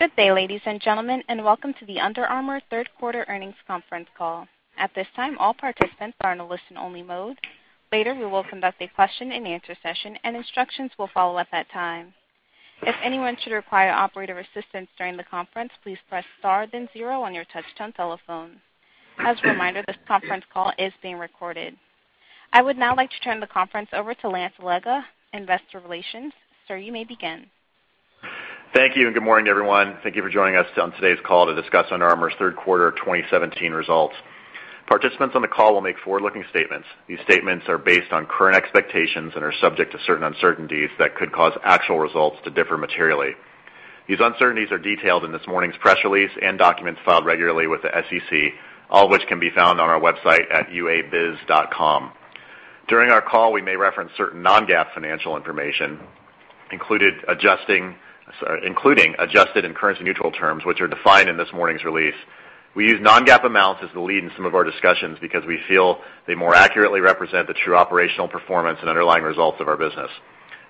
Good day, ladies and gentlemen, and welcome to the Under Armour third quarter earnings conference call. At this time, all participants are in a listen only mode. Later, we will conduct a question and answer session and instructions will follow at that time. If anyone should require operator assistance during the conference, please press star then zero on your touch-tone telephone. As a reminder, this conference call is being recorded. I would now like to turn the conference over to Lance Allega, investor relations. Sir, you may begin. Thank you. Good morning, everyone. Thank you for joining us on today's call to discuss Under Armour's third quarter 2017 results. Participants on the call will make forward-looking statements. These statements are based on current expectations and are subject to certain uncertainties that could cause actual results to differ materially. These uncertainties are detailed in this morning's press release and documents filed regularly with the SEC, all of which can be found on our website at underarmour.com. During our call, we may reference certain non-GAAP financial information, including adjusted and currency-neutral terms, which are defined in this morning's release. We use non-GAAP amounts as the lead in some of our discussions because we feel they more accurately represent the true operational performance and underlying results of our business.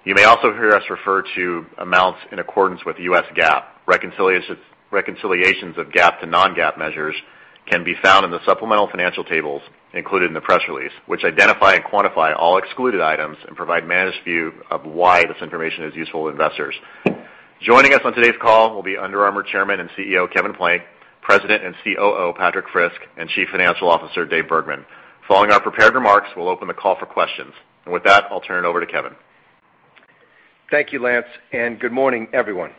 You may also hear us refer to amounts in accordance with the U.S. GAAP. Reconciliations of GAAP to non-GAAP measures can be found in the supplemental financial tables included in the press release, which identify and quantify all excluded items and provide managed view of why this information is useful to investors. Joining us on today's call will be Under Armour Chairman and CEO, Kevin Plank; President and COO, Patrik Frisk; and Chief Financial Officer, David Bergman. Following our prepared remarks, we'll open the call for questions. With that, I'll turn it over to Kevin. Thank you, Lance. Good morning, everyone.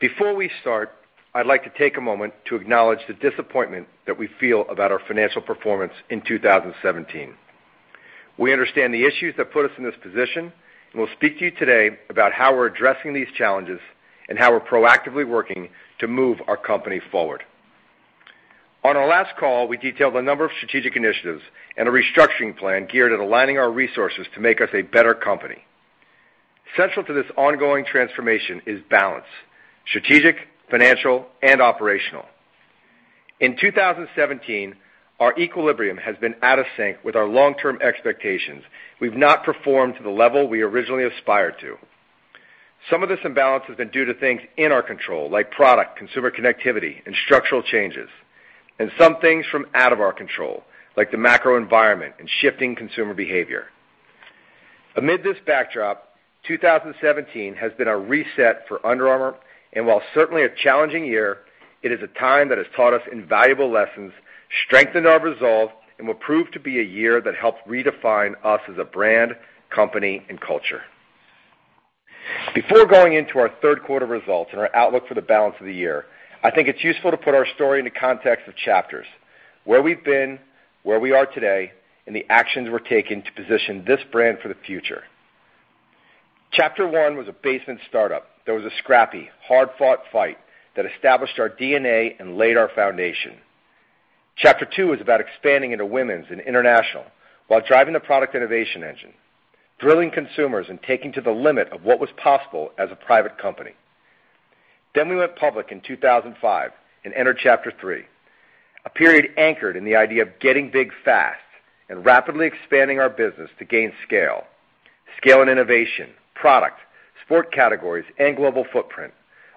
Before we start, I'd like to take a moment to acknowledge the disappointment that we feel about our financial performance in 2017. We understand the issues that put us in this position, and we'll speak to you today about how we're addressing these challenges and how we're proactively working to move our company forward. On our last call, we detailed a number of strategic initiatives and a restructuring plan geared at aligning our resources to make us a better company. Central to this ongoing transformation is balance, strategic, financial, and operational. In 2017, our equilibrium has been out of sync with our long-term expectations. We've not performed to the level we originally aspired to. Some of this imbalance has been due to things in our control, like product, consumer connectivity, and structural changes, and some things from out of our control, like the macro environment and shifting consumer behavior. Amid this backdrop, 2017 has been a reset for Under Armour, and while certainly a challenging year, it is a time that has taught us invaluable lessons, strengthened our resolve, and will prove to be a year that helped redefine us as a brand, company, and culture. Before going into our third quarter results and our outlook for the balance of the year, I think it's useful to put our story into context of chapters, where we've been, where we are today, and the actions we're taking to position this brand for the future. Chapter one was a basement startup that was a scrappy, hard-fought fight that established our DNA and laid our foundation. Chapter two is about expanding into women's and international while driving the product innovation engine, thrilling consumers and taking to the limit of what was possible as a private company. We went public in 2005 and entered chapter three, a period anchored in the idea of getting big fast and rapidly expanding our business to gain scale. Scale and innovation, product, sport categories, and global footprint.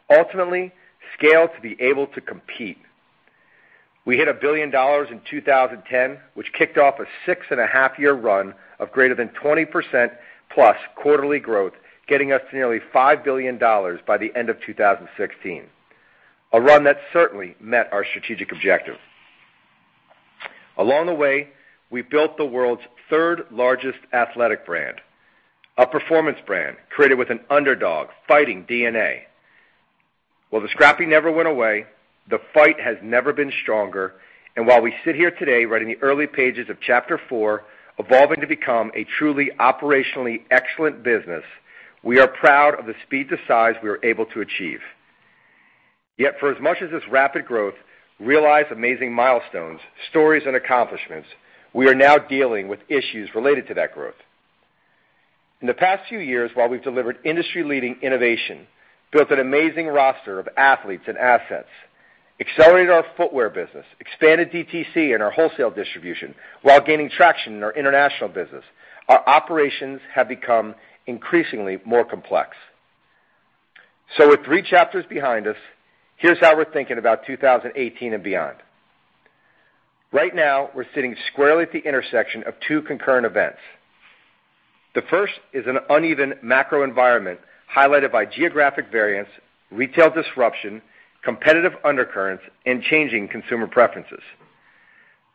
Ultimately, scale to be able to compete. We hit $1 billion in 2010, which kicked off a six-and-a-half-year run of greater than 20%+ quarterly growth, getting us to nearly $5 billion by the end of 2016. A run that certainly met our strategic objective. Along the way, we built the world's third largest athletic brand, a performance brand created with an underdog fighting DNA. While the scrappy never went away, the fight has never been stronger, and while we sit here today writing the early pages of chapter four, evolving to become a truly operationally excellent business, we are proud of the speed to size we were able to achieve. Yet for as much as this rapid growth realized amazing milestones, stories, and accomplishments, we are now dealing with issues related to that growth. In the past few years, while we've delivered industry-leading innovation, built an amazing roster of athletes and assets, accelerated our footwear business, expanded DTC and our wholesale distribution while gaining traction in our international business, our operations have become increasingly more complex. With three chapters behind us, here's how we're thinking about 2018 and beyond. Right now, we're sitting squarely at the intersection of two concurrent events. The first is an uneven macro environment highlighted by geographic variance, retail disruption, competitive undercurrents, and changing consumer preferences.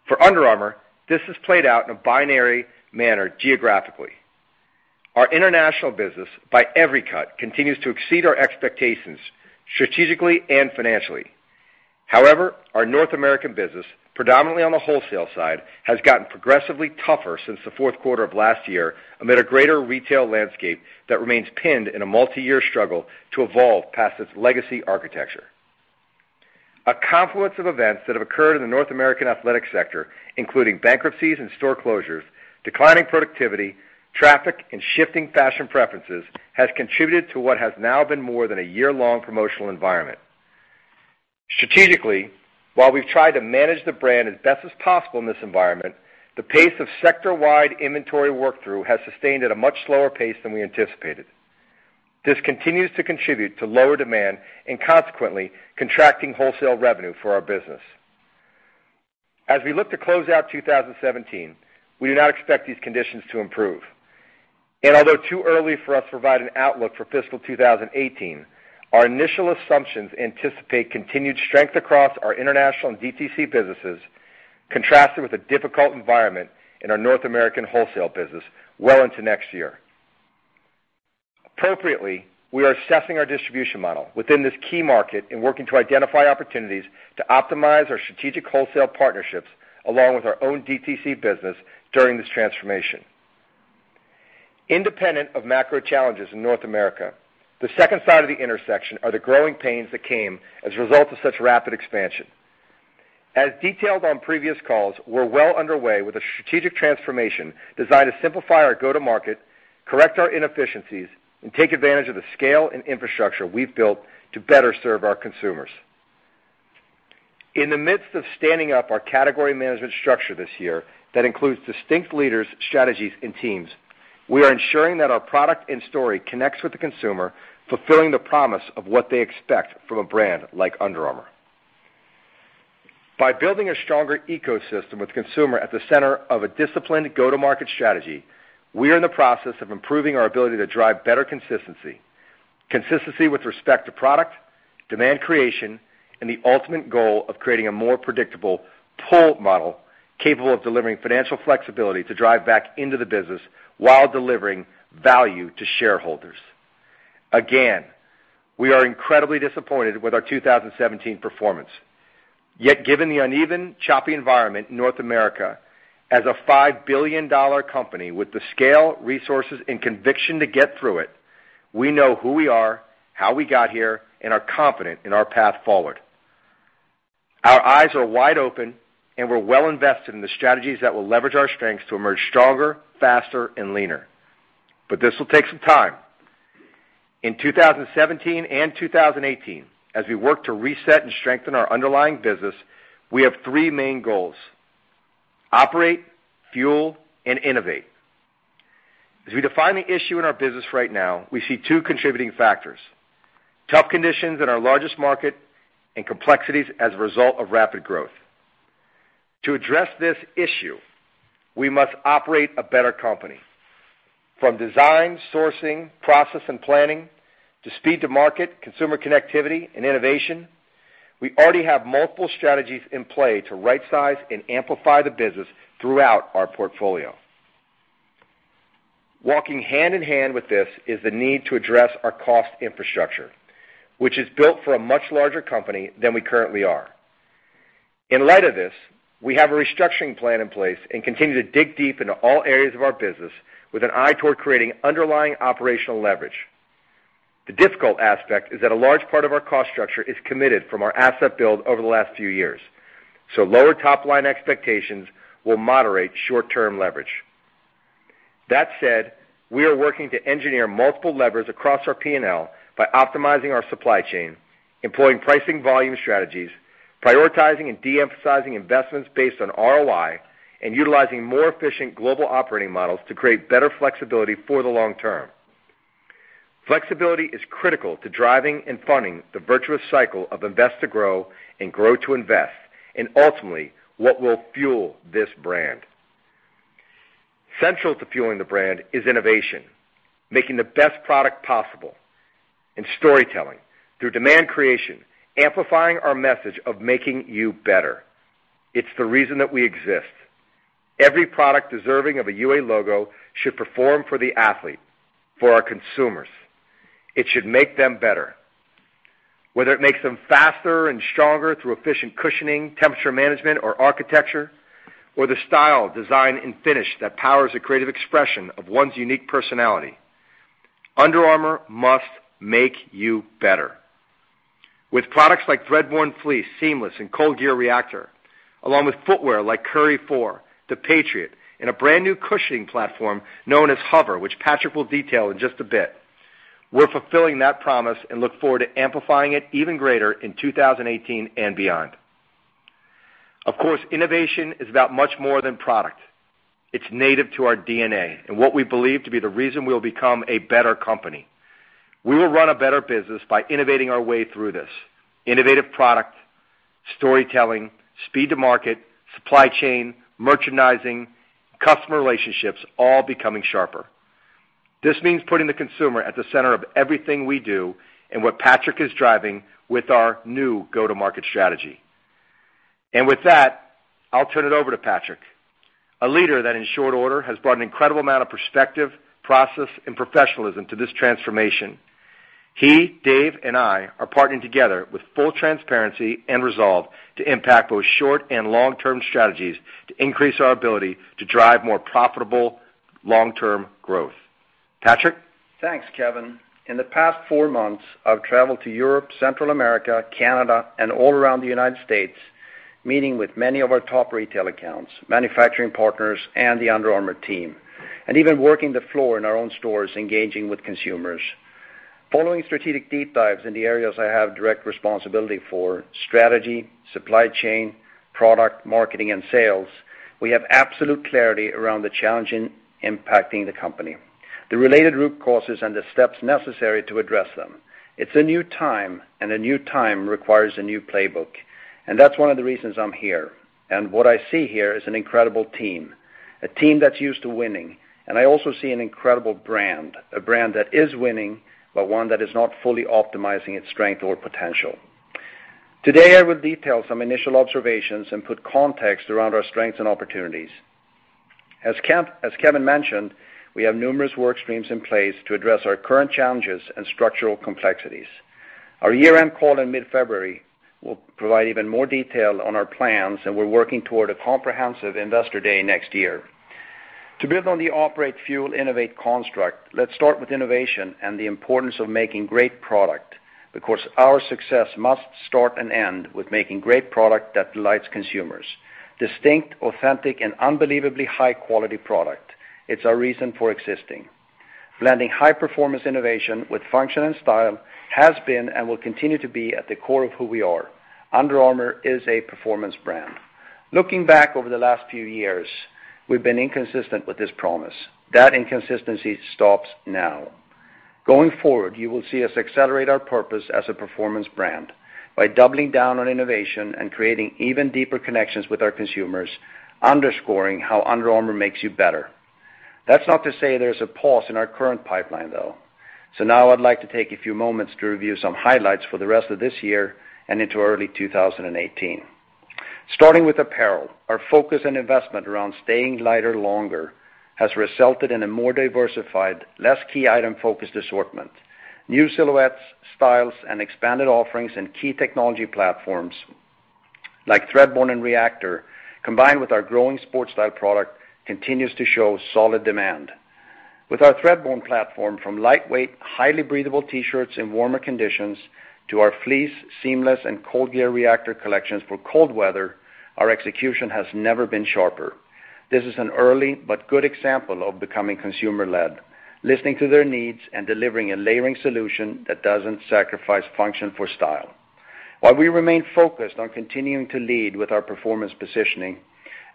For Under Armour, this has played out in a binary manner geographically. Our international business, by every cut, continues to exceed our expectations strategically and financially. However, our North American business, predominantly on the wholesale side, has gotten progressively tougher since the fourth quarter of last year amid a greater retail landscape that remains pinned in a multi-year struggle to evolve past its legacy architecture. A confluence of events that have occurred in the North American athletic sector, including bankruptcies and store closures, declining productivity, traffic, and shifting fashion preferences, has contributed to what has now been more than a year-long promotional environment. Strategically, while we've tried to manage the brand as best as possible in this environment, the pace of sector-wide inventory work-through has sustained at a much slower pace than we anticipated. This continues to contribute to lower demand and consequently, contracting wholesale revenue for our business. As we look to close out 2017, we do not expect these conditions to improve. Although too early for us to provide an outlook for fiscal 2018, our initial assumptions anticipate continued strength across our international and DTC businesses, contrasted with a difficult environment in our North American wholesale business well into next year. Appropriately, we are assessing our distribution model within this key market and working to identify opportunities to optimize our strategic wholesale partnerships along with our own DTC business during this transformation. Independent of macro challenges in North America, the second side of the intersection are the growing pains that came as a result of such rapid expansion. As detailed on previous calls, we're well underway with a strategic transformation designed to simplify our go-to-market, correct our inefficiencies, and take advantage of the scale and infrastructure we've built to better serve our consumers. In the midst of standing up our category management structure this year, that includes distinct leaders, strategies, and teams, we are ensuring that our product and story connects with the consumer, fulfilling the promise of what they expect from a brand like Under Armour. By building a stronger ecosystem with the consumer at the center of a disciplined go-to-market strategy, we are in the process of improving our ability to drive better consistency. Consistency with respect to product, demand creation, and the ultimate goal of creating a more predictable pull model capable of delivering financial flexibility to drive back into the business while delivering value to shareholders. Again, we are incredibly disappointed with our 2017 performance. Yet, given the uneven, choppy environment in North America, as a $5 billion company with the scale, resources, and conviction to get through it, we know who we are, how we got here, and are confident in our path forward. We're well-invested in the strategies that will leverage our strengths to emerge stronger, faster, and leaner. This will take some time. In 2017 and 2018, as we work to reset and strengthen our underlying business, we have three main goals: operate, fuel, and innovate. As we define the issue in our business right now, we see two contributing factors: tough conditions in our largest market and complexities as a result of rapid growth. To address this issue, we must operate a better company. From design, sourcing, process, and planning to speed to market, consumer connectivity, and innovation, we already have multiple strategies in play to rightsize and amplify the business throughout our portfolio. Walking hand in hand with this is the need to address our cost infrastructure, which is built for a much larger company than we currently are. In light of this, we have a restructuring plan in place and continue to dig deep into all areas of our business with an eye toward creating underlying operational leverage. The difficult aspect is that a large part of our cost structure is committed from our asset build over the last few years. Lower top-line expectations will moderate short-term leverage. That said, we are working to engineer multiple levers across our P&L by optimizing our supply chain, employing pricing volume strategies, prioritizing and de-emphasizing investments based on ROI, and utilizing more efficient global operating models to create better flexibility for the long term. Flexibility is critical to driving and funding the virtuous cycle of invest to grow and grow to invest, and ultimately, what will fuel this brand. Central to fueling the brand is innovation, making the best product possible, and storytelling through demand creation, amplifying our message of making you better. It's the reason that we exist. Every product deserving of a UA logo should perform for the athlete, for our consumers. It should make them better. Whether it makes them faster and stronger through efficient cushioning, temperature management, or architecture, or the style, design, and finish that powers the creative expression of one's unique personality, Under Armour must make you better. With products like Threadborne Fleece, Seamless, and ColdGear Reactor, along with footwear like Curry 4, the Patriot, and a brand-new cushioning platform known as HOVR, which Patrik will detail in just a bit, we're fulfilling that promise and look forward to amplifying it even greater in 2018 and beyond. Innovation is about much more than product. It's native to our DNA and what we believe to be the reason we'll become a better company. We will run a better business by innovating our way through this. Innovative product, storytelling, speed to market, supply chain, merchandising, customer relationships, all becoming sharper. This means putting the consumer at the center of everything we do and what Patrik is driving with our new go-to-market strategy. With that, I'll turn it over to Patrik, a leader that in short order, has brought an incredible amount of perspective, process, and professionalism to this transformation. He, Dave, and I are partnering together with full transparency and resolve to impact both short- and long-term strategies to increase our ability to drive more profitable long-term growth. Patrik? Thanks, Kevin. In the past four months, I've traveled to Europe, Central America, Canada, and all around the United States, meeting with many of our top retail accounts, manufacturing partners, and the Under Armour team, and even working the floor in our own stores, engaging with consumers. Following strategic deep dives in the areas I have direct responsibility for, strategy, supply chain, product, marketing, and sales, we have absolute clarity around the challenge impacting the company, the related root causes, and the steps necessary to address them. It's a new time. A new time requires a new playbook, and that's one of the reasons I'm here. What I see here is an incredible team, a team that's used to winning. I also see an incredible brand, a brand that is winning, but one that is not fully optimizing its strength or potential. Today, I will detail some initial observations and put context around our strengths and opportunities. As Kevin mentioned, we have numerous work streams in place to address our current challenges and structural complexities. Our year-end call in mid-February will provide even more detail on our plans, and we're working toward a comprehensive investor day next year. To build on the operate, fuel, innovate construct, let's start with innovation and the importance of making great product. Because our success must start and end with making great product that delights consumers. Distinct, authentic, and unbelievably high-quality product. It's our reason for existing. Blending high-performance innovation with function and style has been and will continue to be at the core of who we are. Under Armour is a performance brand. Looking back over the last few years, we've been inconsistent with this promise. That inconsistency stops now. Going forward, you will see us accelerate our purpose as a performance brand by doubling down on innovation and creating even deeper connections with our consumers, underscoring how Under Armour makes you better. That's not to say there's a pause in our current pipeline, though. Now I'd like to take a few moments to review some highlights for the rest of this year and into early 2018. Starting with apparel, our focus and investment around staying lighter longer has resulted in a more diversified, less key-item-focused assortment. New silhouettes, styles, and expanded offerings in key technology platforms like Threadborne and Reactor, combined with our growing Sportstyle product, continues to show solid demand. With our Threadborne platform, from lightweight, highly breathable T-shirts in warmer conditions to our fleece, Seamless, and ColdGear Reactor collections for cold weather, our execution has never been sharper. This is an early but good example of becoming consumer-led, listening to their needs, and delivering a layering solution that doesn't sacrifice function for style. While we remain focused on continuing to lead with our performance positioning,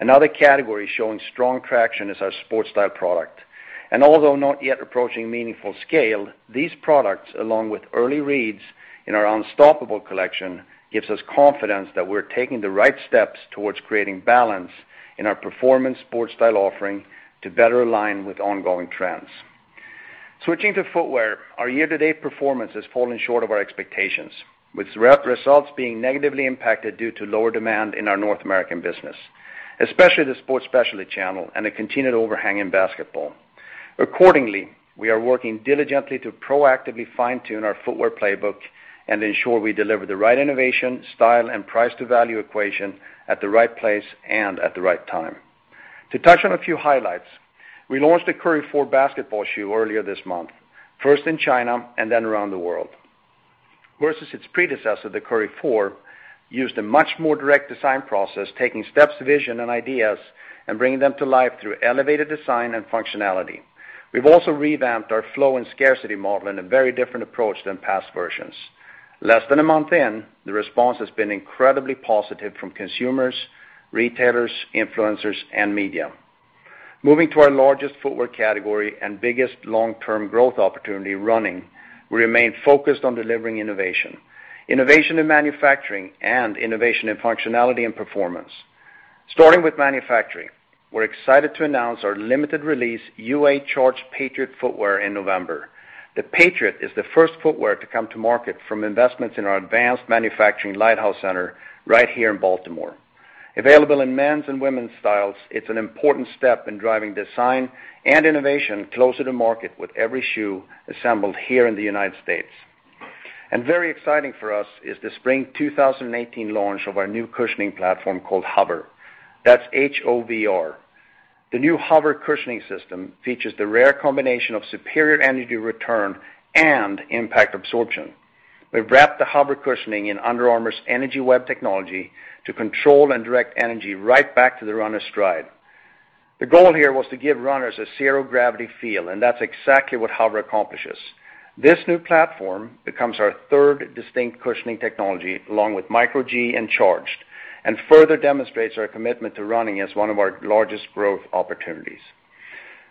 another category showing strong traction is our sportstyle product. Although not yet approaching meaningful scale, these products, along with early reads in our Unstoppable collection, gives us confidence that we're taking the right steps towards creating balance in our performance sportstyle offering to better align with ongoing trends. Switching to footwear, our year-to-date performance has fallen short of our expectations, with results being negatively impacted due to lower demand in our North American business, especially the sports specialty channel and a continued overhang in basketball. Accordingly, we are working diligently to proactively fine-tune our footwear playbook and ensure we deliver the right innovation, style, and price-to-value equation at the right place and at the right time. To touch on a few highlights, we launched the Curry 4 basketball shoe earlier this month, first in China and then around the world. Versus its predecessor, the Curry 4 used a much more direct design process, taking Steph's vision and ideas and bringing them to life through elevated design and functionality. We've also revamped our flow and scarcity model in a very different approach than past versions. Less than a month in, the response has been incredibly positive from consumers, retailers, influencers, and media. Moving to our largest footwear category and biggest long-term growth opportunity, running, we remain focused on delivering innovation in manufacturing and innovation in functionality and performance. Starting with manufacturing, we're excited to announce our limited release UA Charged Patriot footwear in November. The Patriot is the first footwear to come to market from investments in our advanced manufacturing lighthouse center right here in Baltimore. Available in men's and women's styles, it's an important step in driving design and innovation closer to market with every shoe assembled here in the United States. Very exciting for us is the Spring 2018 launch of our new cushioning platform called HOVR. That's H-O-V-R. The new HOVR cushioning system features the rare combination of superior energy return and impact absorption. We've wrapped the HOVR cushioning in Under Armour's Energy Web technology to control and direct energy right back to the runner's stride. The goal here was to give runners a zero-gravity feel, and that's exactly what HOVR accomplishes. This new platform becomes our third distinct cushioning technology, along with Micro G and Charged, and further demonstrates our commitment to running as one of our largest growth opportunities.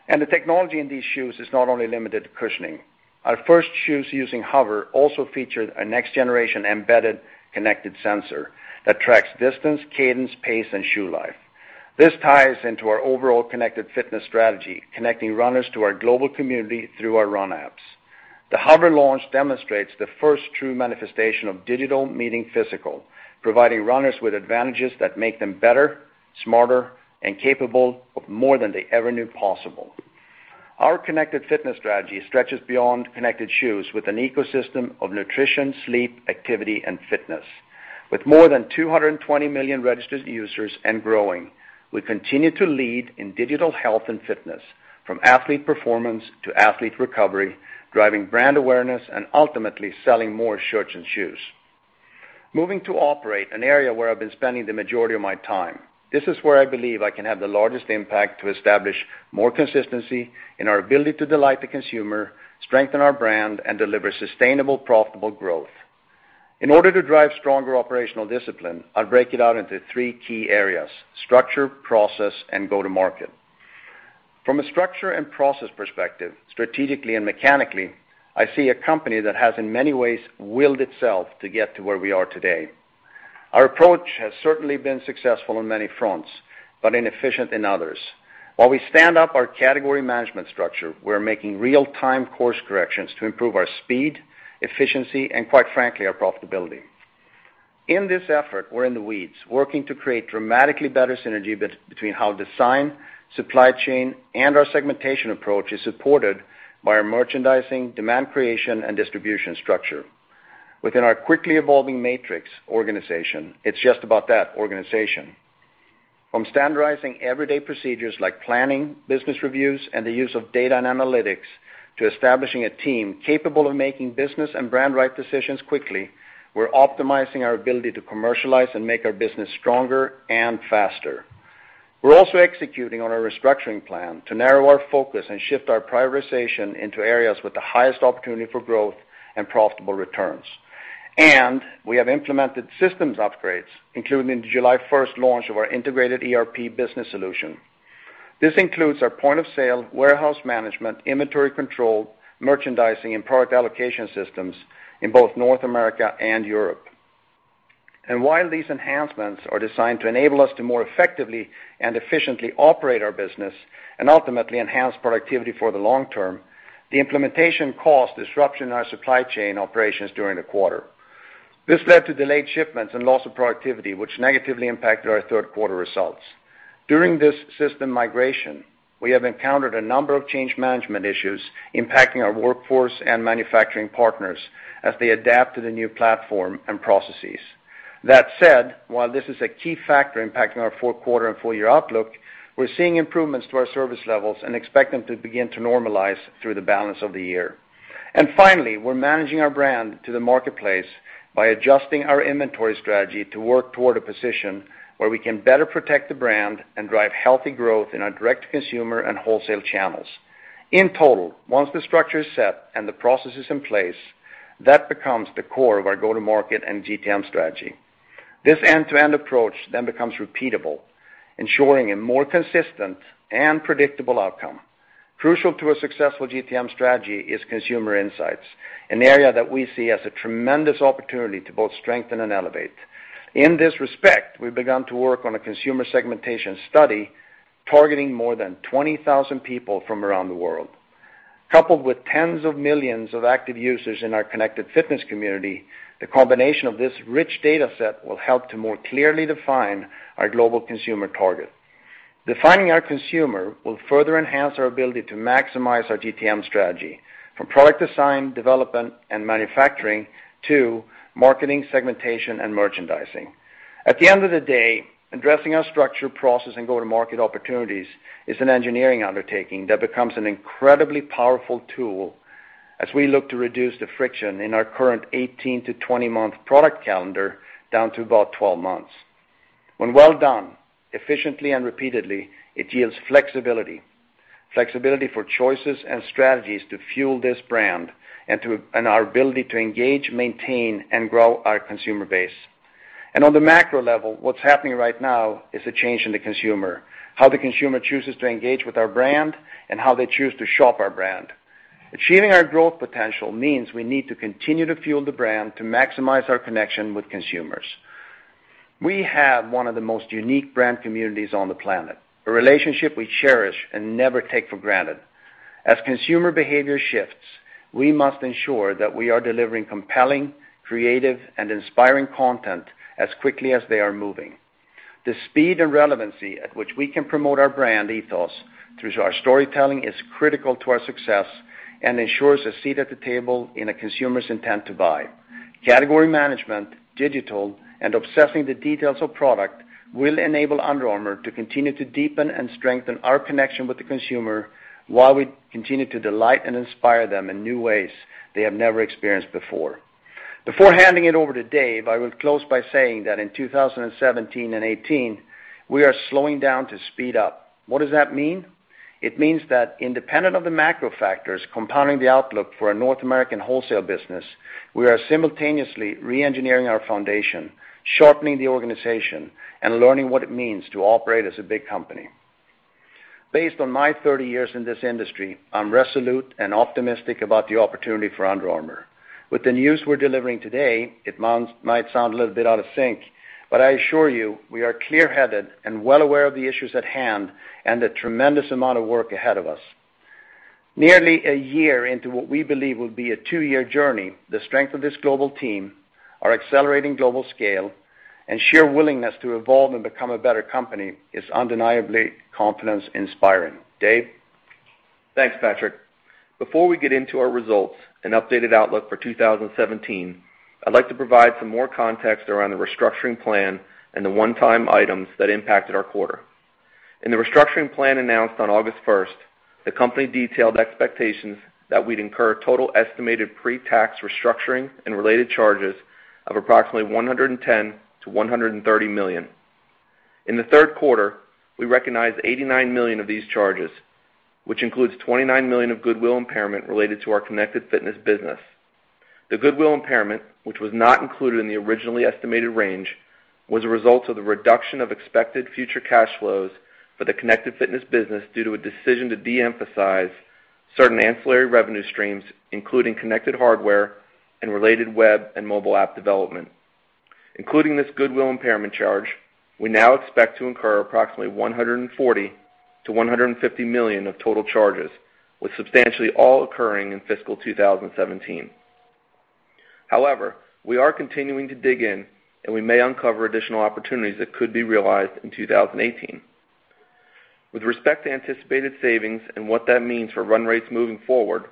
The technology in these shoes is not only limited to cushioning. Our first shoes using HOVR also featured a next-generation embedded connected sensor that tracks distance, cadence, pace, and shoe life. This ties into our overall connected fitness strategy, connecting runners to our global community through our run apps. The HOVR launch demonstrates the first true manifestation of digital meeting physical, providing runners with advantages that make them better, smarter, and capable of more than they ever knew possible. Our connected fitness strategy stretches beyond connected shoes with an ecosystem of nutrition, sleep, activity, and fitness. With more than 220 million registered users and growing, we continue to lead in digital health and fitness, from athlete performance to athlete recovery, driving brand awareness and ultimately selling more shirts and shoes. Moving to operate, an area where I've been spending the majority of my time. This is where I believe I can have the largest impact to establish more consistency in our ability to delight the consumer, strengthen our brand, and deliver sustainable profitable growth. In order to drive stronger operational discipline, I'll break it out into three key areas: structure, process, and go-to-market. From a structure and process perspective, strategically and mechanically, I see a company that has in many ways willed itself to get to where we are today. Our approach has certainly been successful on many fronts, but inefficient in others. While we stand up our category management structure, we're making real-time course corrections to improve our speed, efficiency, and quite frankly, our profitability. In this effort, we're in the weeds, working to create dramatically better synergy between how design, supply chain, and our segmentation approach is supported by our merchandising, demand creation, and distribution structure. Within our quickly evolving matrix organization, it's just about that, organization. From standardizing everyday procedures like planning, business reviews, and the use of data and analytics, to establishing a team capable of making business and brand right decisions quickly, we're optimizing our ability to commercialize and make our business stronger and faster. We're also executing on our restructuring plan to narrow our focus and shift our prioritization into areas with the highest opportunity for growth and profitable returns. We have implemented systems upgrades, including the July 1st launch of our integrated ERP business solution. This includes our point-of-sale, warehouse management, inventory control, merchandising, and product allocation systems in both North America and Europe. While these enhancements are designed to enable us to more effectively and efficiently operate our business and ultimately enhance productivity for the long term, the implementation caused disruption in our supply chain operations during the quarter. This led to delayed shipments and loss of productivity, which negatively impacted our third-quarter results. During this system migration, we have encountered a number of change management issues impacting our workforce and manufacturing partners as they adapt to the new platform and processes. That said, while this is a key factor impacting our fourth quarter and full-year outlook, we're seeing improvements to our service levels and expect them to begin to normalize through the balance of the year. Finally, we're managing our brand to the marketplace by adjusting our inventory strategy to work toward a position where we can better protect the brand and drive healthy growth in our direct-to-consumer and wholesale channels. In total, once the structure is set and the process is in place, that becomes the core of our go-to-market and GTM strategy. This end-to-end approach then becomes repeatable, ensuring a more consistent and predictable outcome. Crucial to a successful GTM strategy is consumer insights, an area that we see as a tremendous opportunity to both strengthen and elevate. In this respect, we've begun to work on a consumer segmentation study targeting more than 20,000 people from around the world. Coupled with tens of millions of active users in our connected fitness community, the combination of this rich data set will help to more clearly define our global consumer target. Defining our consumer will further enhance our ability to maximize our GTM strategy, from product design, development, and manufacturing, to marketing, segmentation, and merchandising. At the end of the day, addressing our structure, process, and go-to-market opportunities is an engineering undertaking that becomes an incredibly powerful tool as we look to reduce the friction in our current 18-to-20 month product calendar down to about 12 months. When well done, efficiently and repeatedly, it yields flexibility for choices and strategies to fuel this brand and our ability to engage, maintain, and grow our consumer base. On the macro level, what's happening right now is a change in the consumer, how the consumer chooses to engage with our brand, and how they choose to shop our brand. Achieving our growth potential means we need to continue to fuel the brand to maximize our connection with consumers. We have one of the most unique brand communities on the planet, a relationship we cherish and never take for granted. As consumer behavior shifts, we must ensure that we are delivering compelling, creative, and inspiring content as quickly as they are moving. The speed and relevancy at which we can promote our brand ethos through our storytelling is critical to our success and ensures a seat at the table in a consumer's intent to buy. Category management, digital, and obsessing the details of product will enable Under Armour to continue to deepen and strengthen our connection with the consumer while we continue to delight and inspire them in new ways they have never experienced before. Before handing it over to Dave, I will close by saying that in 2017 and 2018, we are slowing down to speed up. What does that mean? It means that independent of the macro factors compounding the outlook for our North American wholesale business, we are simultaneously re-engineering our foundation, sharpening the organization, and learning what it means to operate as a big company. Based on my 30 years in this industry, I'm resolute and optimistic about the opportunity for Under Armour. With the news we're delivering today, it might sound a little bit out of sync, but I assure you, we are clear-headed and well aware of the issues at hand and the tremendous amount of work ahead of us. Nearly a year into what we believe will be a two-year journey, the strength of this global team, our accelerating global scale, and sheer willingness to evolve and become a better company is undeniably confidence-inspiring. Dave? Thanks, Patrik. Before we get into our results and updated outlook for 2017, I'd like to provide some more context around the restructuring plan and the one-time items that impacted our quarter. In the restructuring plan announced on August 1st, the company detailed expectations that we'd incur total estimated pre-tax restructuring and related charges of approximately $110 million-$130 million. In the third quarter, we recognized $89 million of these charges, which includes $29 million of goodwill impairment related to our connected fitness business. The goodwill impairment, which was not included in the originally estimated range, was a result of the reduction of expected future cash flows for the connected fitness business due to a decision to de-emphasize certain ancillary revenue streams, including connected hardware and related web and mobile app development. Including this goodwill impairment charge, we now expect to incur approximately $140 million-$150 million of total charges, with substantially all occurring in fiscal 2017. We are continuing to dig in, and we may uncover additional opportunities that could be realized in 2018. With respect to anticipated savings and what that means for run rates moving forward,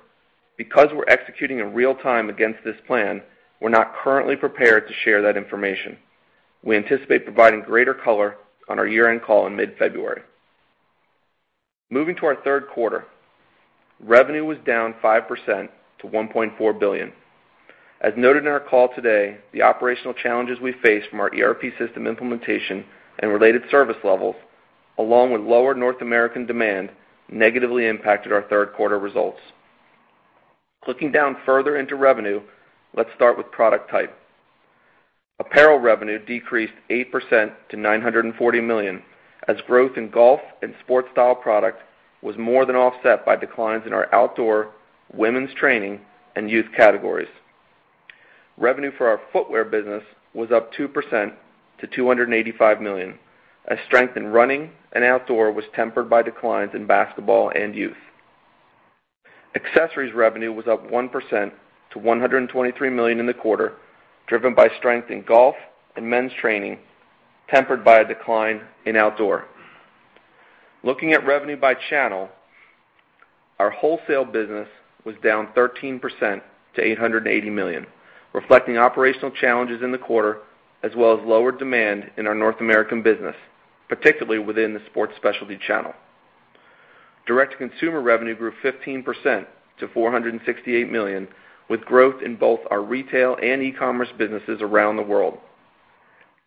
because we're executing in real time against this plan, we're not currently prepared to share that information. We anticipate providing greater color on our year-end call in mid-February. Moving to our third quarter. Revenue was down 5% to $1.4 billion. As noted in our call today, the operational challenges we face from our ERP system implementation and related service levels, along with lower North American demand, negatively impacted our third quarter results. Clicking down further into revenue, let's start with product type. Apparel revenue decreased 8% to $940 million, as growth in golf and sports style product was more than offset by declines in our outdoor, women's training, and youth categories. Revenue for our footwear business was up 2% to $285 million, as strength in running and outdoor was tempered by declines in basketball and youth. Accessories revenue was up 1% to $123 million in the quarter, driven by strength in golf and men's training, tempered by a decline in outdoor. Looking at revenue by channel, our wholesale business was down 13% to $880 million, reflecting operational challenges in the quarter as well as lower demand in our North American business, particularly within the sports specialty channel. Direct-to-consumer revenue grew 15% to $468 million, with growth in both our retail and e-commerce businesses around the world.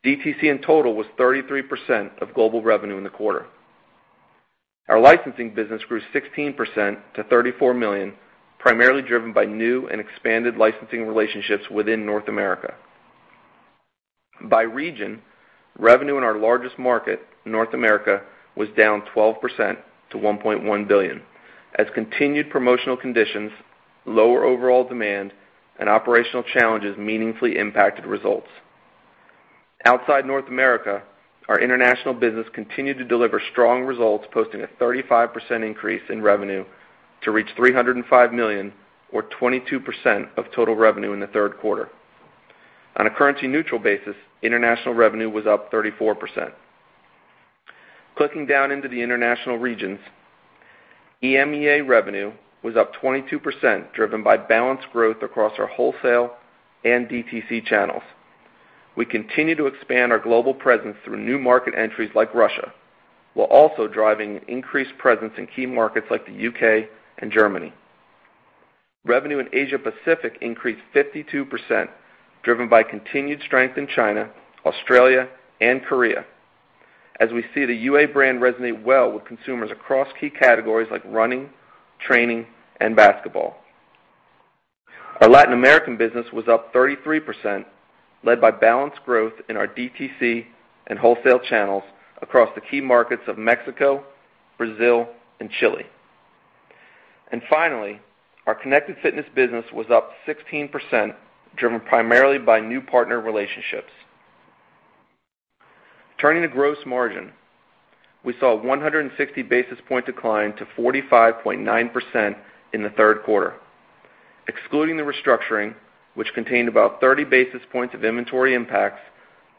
DTC in total was 33% of global revenue in the quarter. Our licensing business grew 16% to $34 million, primarily driven by new and expanded licensing relationships within North America. By region, revenue in our largest market, North America, was down 12% to $1.1 billion, as continued promotional conditions, lower overall demand, and operational challenges meaningfully impacted results. Outside North America, our international business continued to deliver strong results, posting a 35% increase in revenue to reach $305 million, or 22% of total revenue in the third quarter. On a currency-neutral basis, international revenue was up 34%. Clicking down into the international regions, EMEA revenue was up 22%, driven by balanced growth across our wholesale and DTC channels. We continue to expand our global presence through new market entries like Russia, while also driving an increased presence in key markets like the U.K. and Germany. Revenue in Asia Pacific increased 52%, driven by continued strength in China, Australia, and Korea, as we see the UA brand resonate well with consumers across key categories like running, training, and basketball. Our Latin American business was up 33%, led by balanced growth in our DTC and wholesale channels across the key markets of Mexico, Brazil, and Chile. Finally, our connected fitness business was up 16%, driven primarily by new partner relationships. Turning to gross margin, we saw a 160 basis point decline to 45.9% in the third quarter. Excluding the restructuring, which contained about 30 basis points of inventory impacts,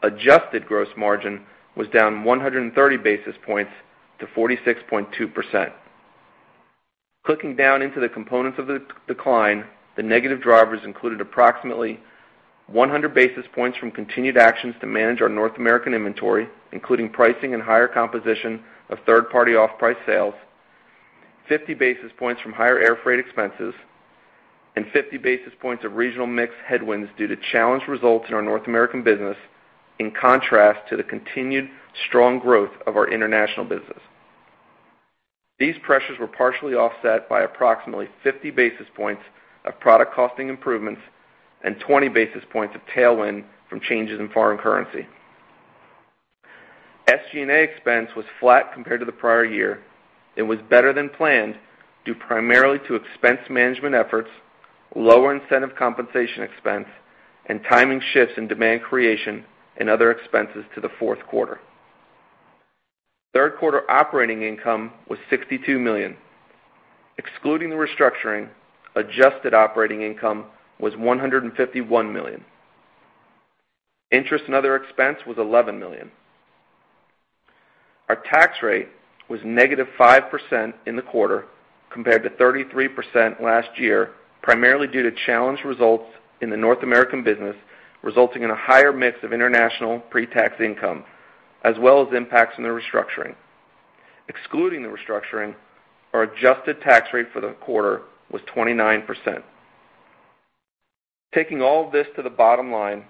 adjusted gross margin was down 130 basis points to 46.2%. Clicking down into the components of the decline, the negative drivers included approximately 100 basis points from continued actions to manage our North American inventory, including pricing and higher composition of third-party off-price sales, 50 basis points from higher air freight expenses, and 50 basis points of regional mix headwinds due to challenged results in our North American business in contrast to the continued strong growth of our international business. These pressures were partially offset by approximately 50 basis points of product costing improvements and 20 basis points of tailwind from changes in foreign currency. SG&A expense was flat compared to the prior year. It was better than planned due primarily to expense management efforts, lower incentive compensation expense, and timing shifts in demand creation and other expenses to the fourth quarter. Third quarter operating income was $62 million. Excluding the restructuring, adjusted operating income was $151 million. Interest and other expense was $11 million. Our tax rate was -5% in the quarter, compared to 33% last year, primarily due to challenged results in the North American business, resulting in a higher mix of international pre-tax income, as well as impacts from the restructuring. Excluding the restructuring, our adjusted tax rate for the quarter was 29%. Taking all of this to the bottom line,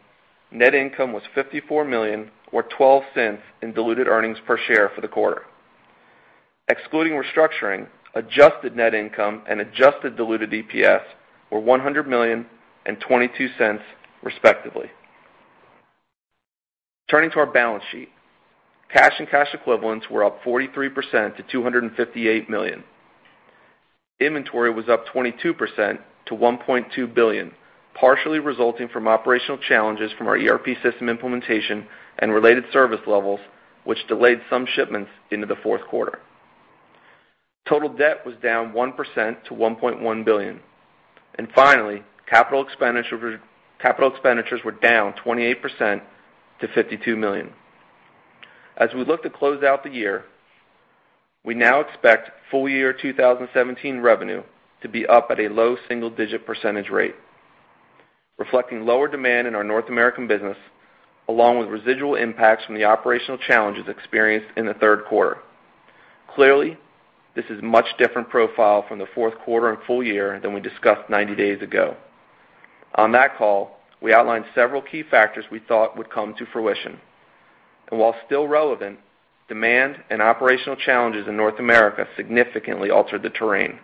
net income was $54 million, or $0.12 in diluted earnings per share for the quarter. Excluding restructuring, adjusted net income and adjusted diluted EPS were $100 million and $0.22, respectively. Turning to our balance sheet. Cash and cash equivalents were up 43% to $258 million. Inventory was up 22% to $1.2 billion, partially resulting from operational challenges from our ERP system implementation and related service levels, which delayed some shipments into the fourth quarter. Total debt was down 1% to $1.1 billion. Finally, capital expenditures were down 28% to $52 million. As we look to close out the year, we now expect full year 2017 revenue to be up at a low single-digit % rate, reflecting lower demand in our North American business, along with residual impacts from the operational challenges experienced in the third quarter. Clearly, this is a much different profile from the fourth quarter and full year than we discussed 90 days ago. On that call, we outlined several key factors we thought would come to fruition. While still relevant, demand and operational challenges in North America significantly altered the terrain.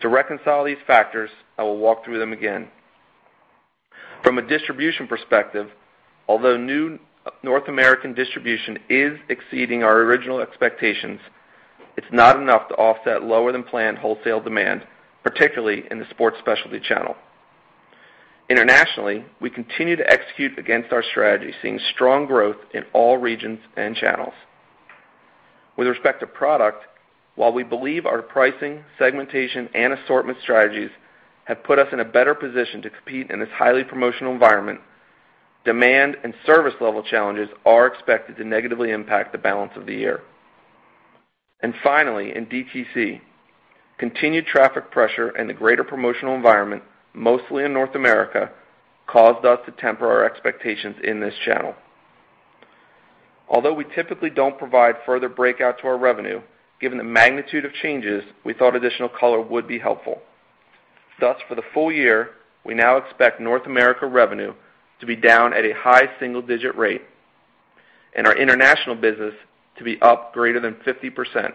To reconcile these factors, I will walk through them again. From a distribution perspective, although new North American distribution is exceeding our original expectations, it's not enough to offset lower-than-planned wholesale demand, particularly in the sports specialty channel. Internationally, we continue to execute against our strategy, seeing strong growth in all regions and channels. With respect to product, while we believe our pricing, segmentation, and assortment strategies have put us in a better position to compete in this highly promotional environment, demand and service level challenges are expected to negatively impact the balance of the year. Finally, in DTC, continued traffic pressure and a greater promotional environment, mostly in North America, caused us to temper our expectations in this channel. Although we typically don't provide further breakout to our revenue, given the magnitude of changes, we thought additional color would be helpful. Thus, for the full year, we now expect North America revenue to be down at a high single-digit rate, and our international business to be up greater than 50%.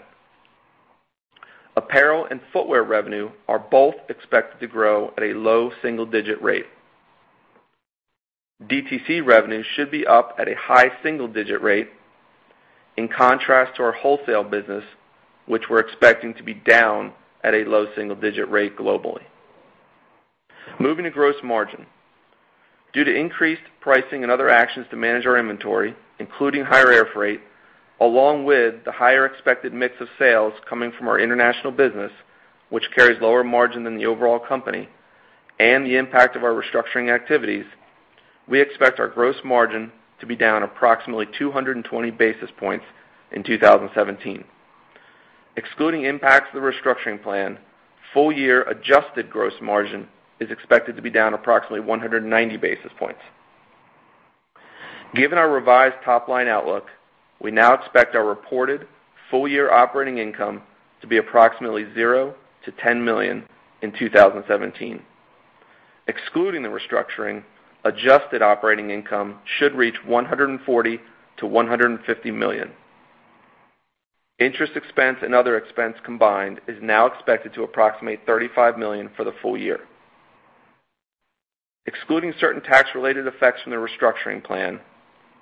Apparel and footwear revenue are both expected to grow at a low single-digit rate. DTC revenue should be up at a high single-digit rate, in contrast to our wholesale business, which we're expecting to be down at a low single-digit rate globally. Moving to gross margin. Due to increased pricing and other actions to manage our inventory, including higher air freight, along with the higher expected mix of sales coming from our international business, which carries lower margin than the overall company, and the impact of our restructuring activities, we expect our gross margin to be down approximately 220 basis points in 2017. Excluding impacts to the restructuring plan, full year adjusted gross margin is expected to be down approximately 190 basis points. Given our revised top-line outlook, we now expect our reported full-year operating income to be approximately zero to $10 million in 2017. Excluding the restructuring, adjusted operating income should reach $140 million-$150 million. Interest expense and other expense combined is now expected to approximate $35 million for the full year. Excluding certain tax-related effects from the restructuring plan,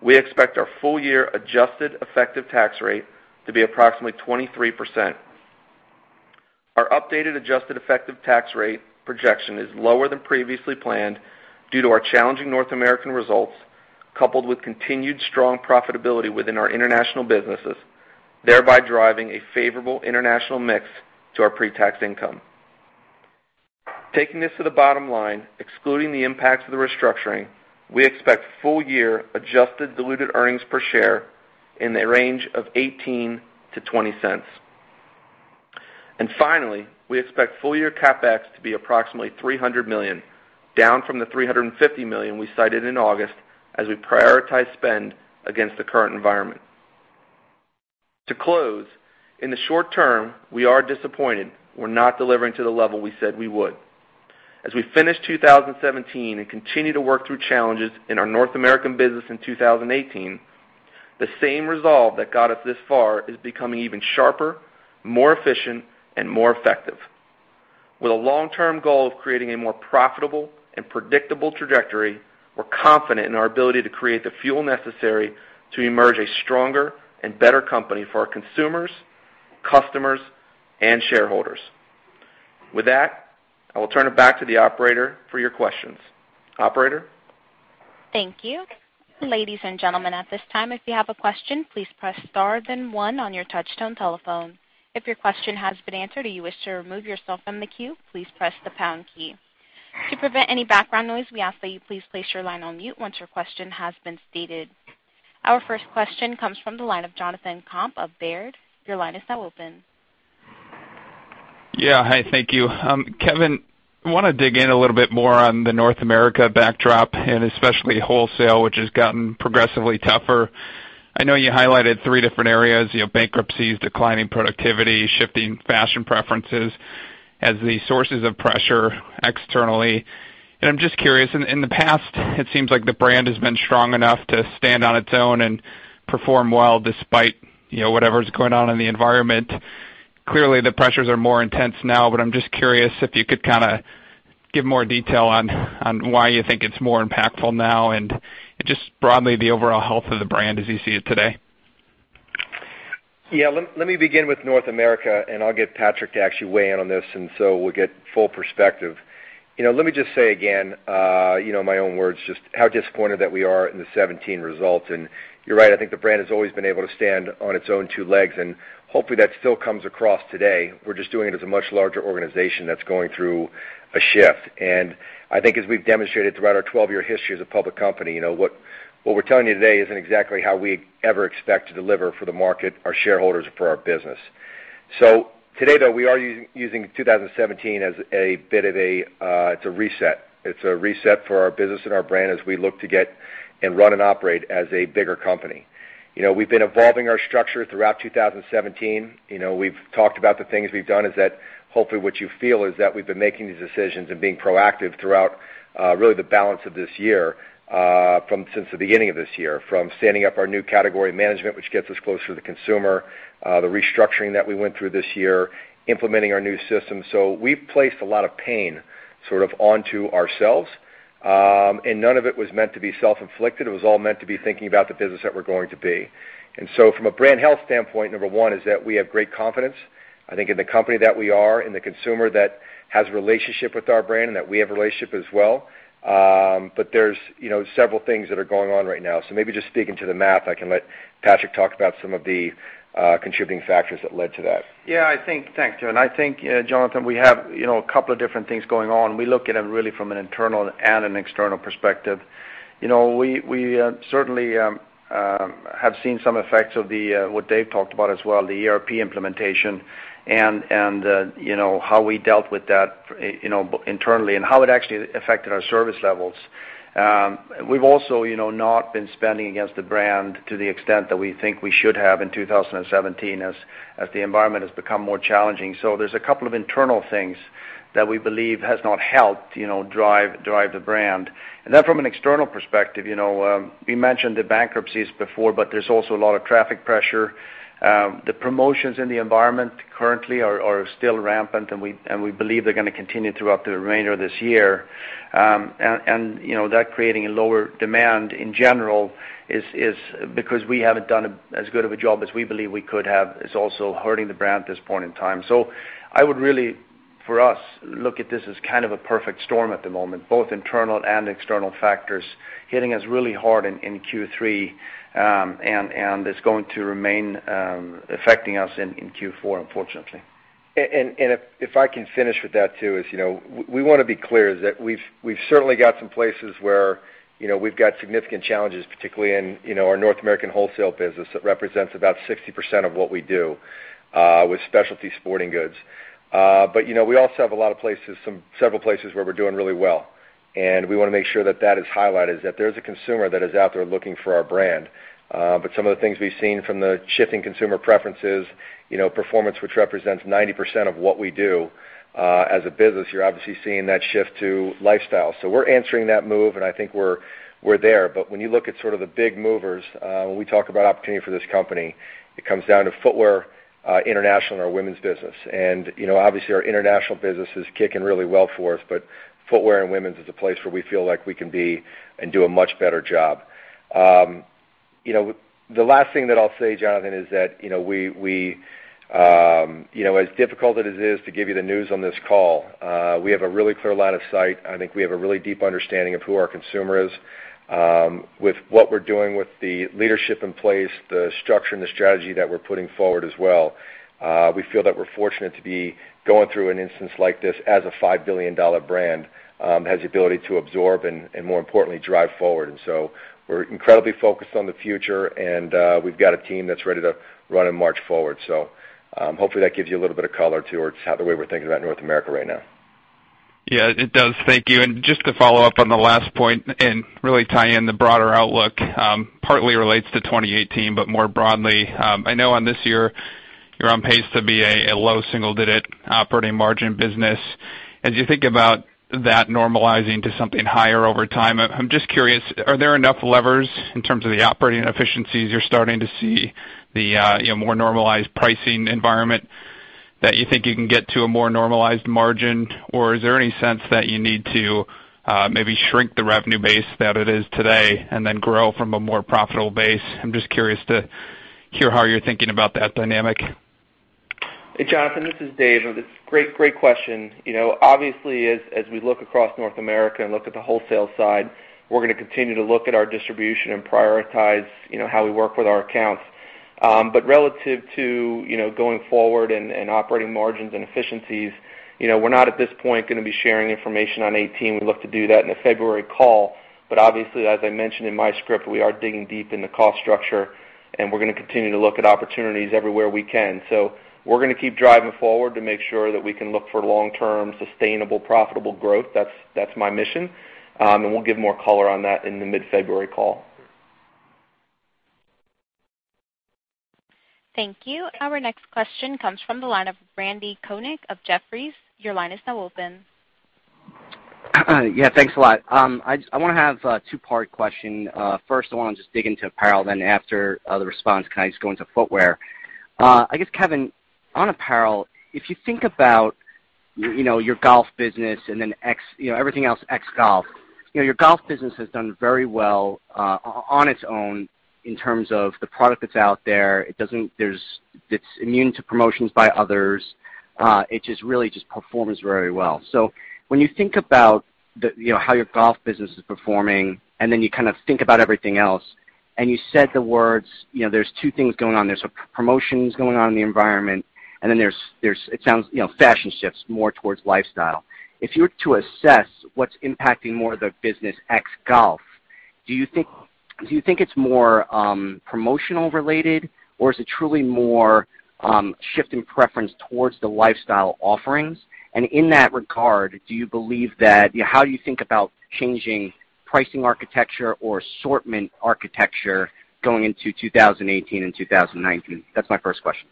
we expect our full-year adjusted effective tax rate to be approximately 23%. Our updated adjusted effective tax rate projection is lower than previously planned due to our challenging North American results, coupled with continued strong profitability within our international businesses, thereby driving a favorable international mix to our pre-tax income. Taking this to the bottom line, excluding the impacts of the restructuring, we expect full-year adjusted diluted earnings per share in the range of $0.18-$0.20. Finally, we expect full-year CapEx to be approximately $300 million, down from the $350 million we cited in August as we prioritize spend against the current environment. To close, in the short term, we are disappointed. We're not delivering to the level we said we would. As we finish 2017 and continue to work through challenges in our North American business in 2018, the same resolve that got us this far is becoming even sharper, more efficient, and more effective. With a long-term goal of creating a more profitable and predictable trajectory, we're confident in our ability to create the fuel necessary to emerge a stronger and better company for our consumers, customers, and shareholders. With that, I will turn it back to the operator for your questions. Operator? Thank you. Ladies and gentlemen, at this time, if you have a question, please press star then one on your touch-tone telephone. If your question has been answered or you wish to remove yourself from the queue, please press the pound key. To prevent any background noise, we ask that you please place your line on mute once your question has been stated. Our first question comes from the line of Jonathan Komp of Baird. Your line is now open. Yeah. Hi, thank you. Kevin, I want to dig in a little bit more on the North America backdrop and especially wholesale, which has gotten progressively tougher. I know you highlighted three different areas, bankruptcies, declining productivity, shifting fashion preferences as the sources of pressure externally. I'm just curious, in the past, it seems like the brand has been strong enough to stand on its own and perform well despite whatever's going on in the environment. Clearly, the pressures are more intense now, I'm just curious if you could give more detail on why you think it's more impactful now and just broadly the overall health of the brand as you see it today. Yeah. Let me begin with North America. I'll get Patrik to actually weigh in on this. We'll get full perspective. Let me just say again, in my own words just how disappointed that we are in the 2017 results. You're right, I think the brand has always been able to stand on its own two legs. Hopefully, that still comes across today. We're just doing it as a much larger organization that's going through a shift. I think as we've demonstrated throughout our 12-year history as a public company, what we're telling you today isn't exactly how we ever expect to deliver for the market, our shareholders or for our business. Today, though, we are using 2017 as a bit of a reset. It's a reset for our business and our brand as we look to get and run and operate as a bigger company. We've been evolving our structure throughout 2017. We've talked about the things we've done is that hopefully what you feel is that we've been making these decisions and being proactive throughout really the balance of this year from since the beginning of this year. From standing up our new category management, which gets us closer to the consumer, the restructuring that we went through this year, implementing our new system. We've placed a lot of pain sort of onto ourselves. None of it was meant to be self-inflicted. It was all meant to be thinking about the business that we're going to be. From a brand health standpoint, number one is that we have great confidence, I think in the company that we are, in the consumer that has a relationship with our brand and that we have a relationship as well. There's several things that are going on right now. Maybe just speaking to the math, I can let Patrik talk about some of the contributing factors that led to that. Yeah. Thanks, Kevin. I think, Jonathan, we have a couple of different things going on. We look at them really from an internal and an external perspective. We certainly have seen some effects of what Dave talked about as well, the ERP implementation and how we dealt with that internally and how it actually affected our service levels. We've also not been spending against the brand to the extent that we think we should have in 2017 as the environment has become more challenging. There's a couple of internal things that we believe has not helped drive the brand. From an external perspective, we mentioned the bankruptcies before, there's also a lot of traffic pressure. The promotions in the environment currently are still rampant, and we believe they're going to continue throughout the remainder of this year. That creating a lower demand in general is because we haven't done as good of a job as we believe we could have is also hurting the brand at this point in time. I would really, for us, look at this as kind of a perfect storm at the moment, both internal and external factors hitting us really hard in Q3. It's going to remain affecting us in Q4, unfortunately. If I can finish with that, too, is we want to be clear that we've certainly got some places where we've got significant challenges, particularly in our North American wholesale business that represents about 60% of what we do with specialty sporting goods. We also have a lot of places, several places where we're doing really well. We want to make sure that that is highlighted, is that there is a consumer that is out there looking for our brand. Some of the things we've seen from the shifting consumer preferences, performance which represents 90% of what we do as a business, you're obviously seeing that shift to lifestyle. We're answering that move, and I think we're there. When you look at sort of the big movers, when we talk about opportunity for this company, it comes down to footwear, international and our women's business. Obviously, our international business is kicking really well for us, but footwear and women's is a place where we feel like we can be and do a much better job. The last thing that I'll say, Jonathan, is that as difficult as it is to give you the news on this call, we have a really clear line of sight. I think we have a really deep understanding of who our consumer is. With what we're doing with the leadership in place, the structure and the strategy that we're putting forward as well. We feel that we're fortunate to be going through an instance like this as a $5 billion brand, has the ability to absorb and more importantly, drive forward. We're incredibly focused on the future, and we've got a team that's ready to run and march forward. Hopefully that gives you a little bit of color towards the way we're thinking about North America right now. Yeah, it does. Thank you. Just to follow up on the last point and really tie in the broader outlook, partly relates to 2018, but more broadly. I know on this year, you're on pace to be a low single-digit operating margin business. As you think about that normalizing to something higher over time, I'm just curious, are there enough levers in terms of the operating efficiencies you're starting to see the more normalized pricing environment that you think you can get to a more normalized margin? Is there any sense that you need to maybe shrink the revenue base that it is today and then grow from a more profitable base? I'm just curious to hear how you're thinking about that dynamic. Hey, Jonathan, this is Dave. Great question. Obviously, as we look across North America and look at the wholesale side, we're going to continue to look at our distribution and prioritize how we work with our accounts. Relative to going forward and operating margins and efficiencies, we're not at this point going to be sharing information on 2018. We look to do that in the February call. Obviously, as I mentioned in my script, we are digging deep in the cost structure, and we're going to continue to look at opportunities everywhere we can. We're going to keep driving forward to make sure that we can look for long-term, sustainable, profitable growth. That's my mission. We'll give more color on that in the mid-February call. Thank you. Our next question comes from the line of Randal Konik of Jefferies. Your line is now open. Thanks a lot. I want to have a two-part question. First, I want to just dig into apparel, then after the response, can I just go into footwear? I guess, Kevin, on apparel, if you think about your golf business and then everything else ex-golf. Your golf business has done very well on its own in terms of the product that's out there. It's immune to promotions by others. It just really just performs very well. When you think about how your golf business is performing and then you think about everything else, and you said the words, there's two things going on. There's promotions going on in the environment, and then there's fashion shifts more towards lifestyle. If you were to assess what's impacting more of the business ex-golf, do you think it's more promotional related, or is it truly more shift in preference towards the lifestyle offerings? In that regard, how do you think about changing pricing architecture or assortment architecture going into 2018 and 2019? That's my first question.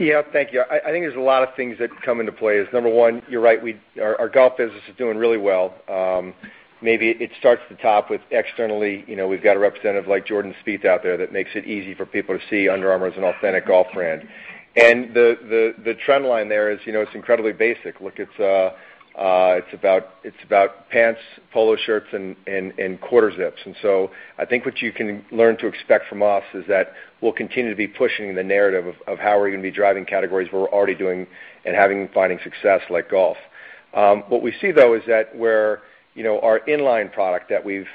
Yeah, thank you. I think there's a lot of things that come into play. Number one, you're right, our golf business is doing really well. Maybe it starts at the top with externally, we've got a representative like Jordan Spieth out there that makes it easy for people to see Under Armour as an authentic golf brand. The trend line there is it's incredibly basic. Look, it's about pants, polo shirts, and quarter zips. So I think what you can learn to expect from us is that we'll continue to be pushing the narrative of how we're going to be driving categories where we're already doing and having and finding success like golf. What we see, though, is that where our inline product that we've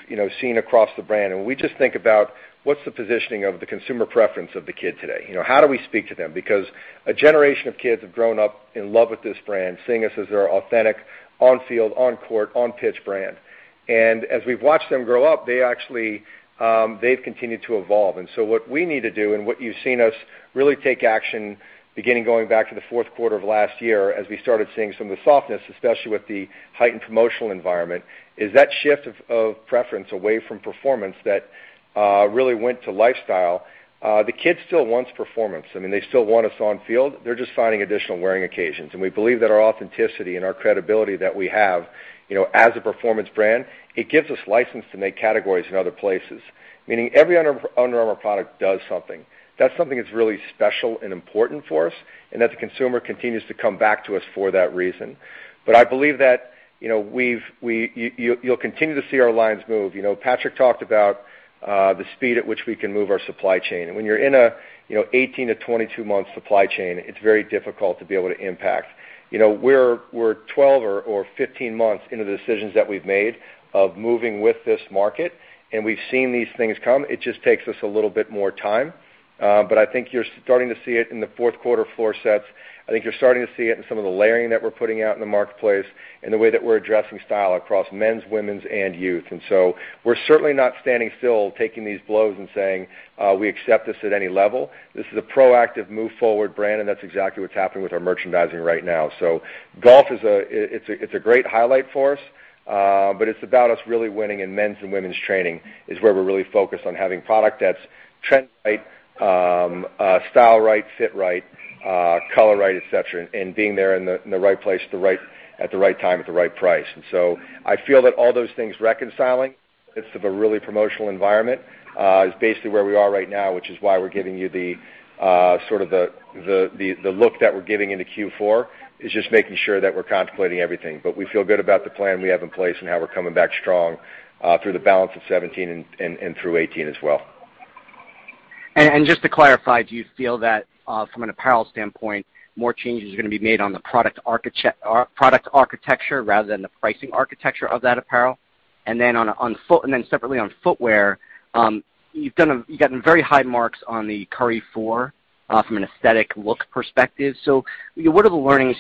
seen across the brand, and we just think about what's the positioning of the consumer preference of the kid today? How do we speak to them? Because a generation of kids have grown up in love with this brand, seeing us as their authentic on-field, on-court, on-pitch brand. As we've watched them grow up, they've continued to evolve. So what we need to do and what you've seen us really take action, beginning going back to the fourth quarter of last year as we started seeing some of the softness, especially with the heightened promotional environment, is that shift of preference away from performance that really went to lifestyle. The kid still wants performance. I mean, they still want us on-field. They're just finding additional wearing occasions. We believe that our authenticity and our credibility that we have, as a performance brand, it gives us license to make categories in other places, meaning every Under Armour product does something. That's something that's really special and important for us and that the consumer continues to come back to us for that reason. I believe that you'll continue to see our lines move. Patrik talked about the speed at which we can move our supply chain. When you're in an 18- to 22-month supply chain, it's very difficult to be able to impact. We're 12 or 15 months into the decisions that we've made of moving with this market, and we've seen these things come. It just takes us a little bit more time. I think you're starting to see it in the fourth quarter floor sets. I think you're starting to see it in some of the layering that we're putting out in the marketplace and the way that we're addressing style across men's, women's, and youth. We're certainly not standing still taking these blows and saying, "We accept this at any level." This is a proactive move forward brand, that's exactly what's happening with our merchandising right now. Golf, it's a great highlight for us, but it's about us really winning in men's and women's training is where we're really focused on having product that's trend right, style right, fit right, color right, et cetera, and being there in the right place at the right time at the right price. I feel that all those things reconciling in the midst of a really promotional environment is basically where we are right now, which is why we're giving you the sort of the look that we're giving into Q4 is just making sure that we're contemplating everything. We feel good about the plan we have in place and how we're coming back strong through the balance of 2017 and through 2018 as well. Just to clarify, do you feel that from an apparel standpoint, more changes are going to be made on the product architecture rather than the pricing architecture of that apparel? Separately on footwear, you've gotten very high marks on the Curry 4 from an aesthetic look perspective. What are the learnings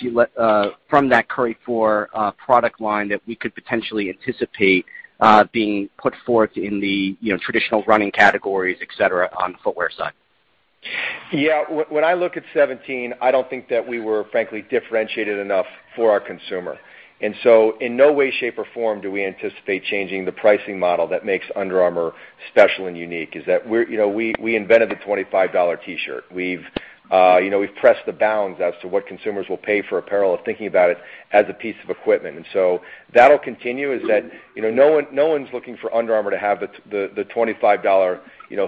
from that Curry 4 product line that we could potentially anticipate being put forth in the traditional running categories, et cetera, on the footwear side? Yeah. When I look at 2017, I don't think that we were frankly differentiated enough for our consumer. In no way, shape, or form, do we anticipate changing the pricing model that makes Under Armour special and unique, is that we invented the $25 T-shirt. We've pressed the bounds as to what consumers will pay for apparel of thinking about it as a piece of equipment. That'll continue is that no one's looking for Under Armour to have the $25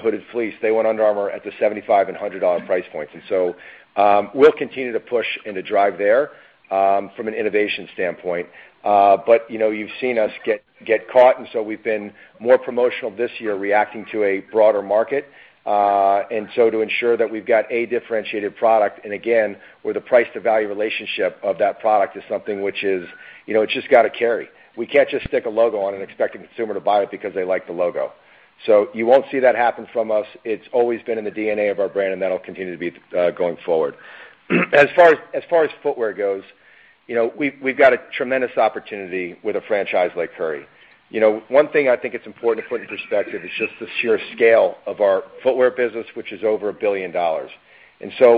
hooded fleece. They want Under Armour at the $75 and $100 price points. We'll continue to push and to drive there. From an innovation standpoint. You've seen us get caught, we've been more promotional this year, reacting to a broader market. To ensure that we've got a differentiated product, and again, where the price to value relationship of that product is something which has just got to carry. We can't just stick a logo on it and expect a consumer to buy it because they like the logo. You won't see that happen from us. It's always been in the DNA of our brand, and that'll continue to be going forward. As far as footwear goes, we've got a tremendous opportunity with a franchise like Curry. One thing I think it's important to put into perspective is just the sheer scale of our footwear business, which is over $1 billion.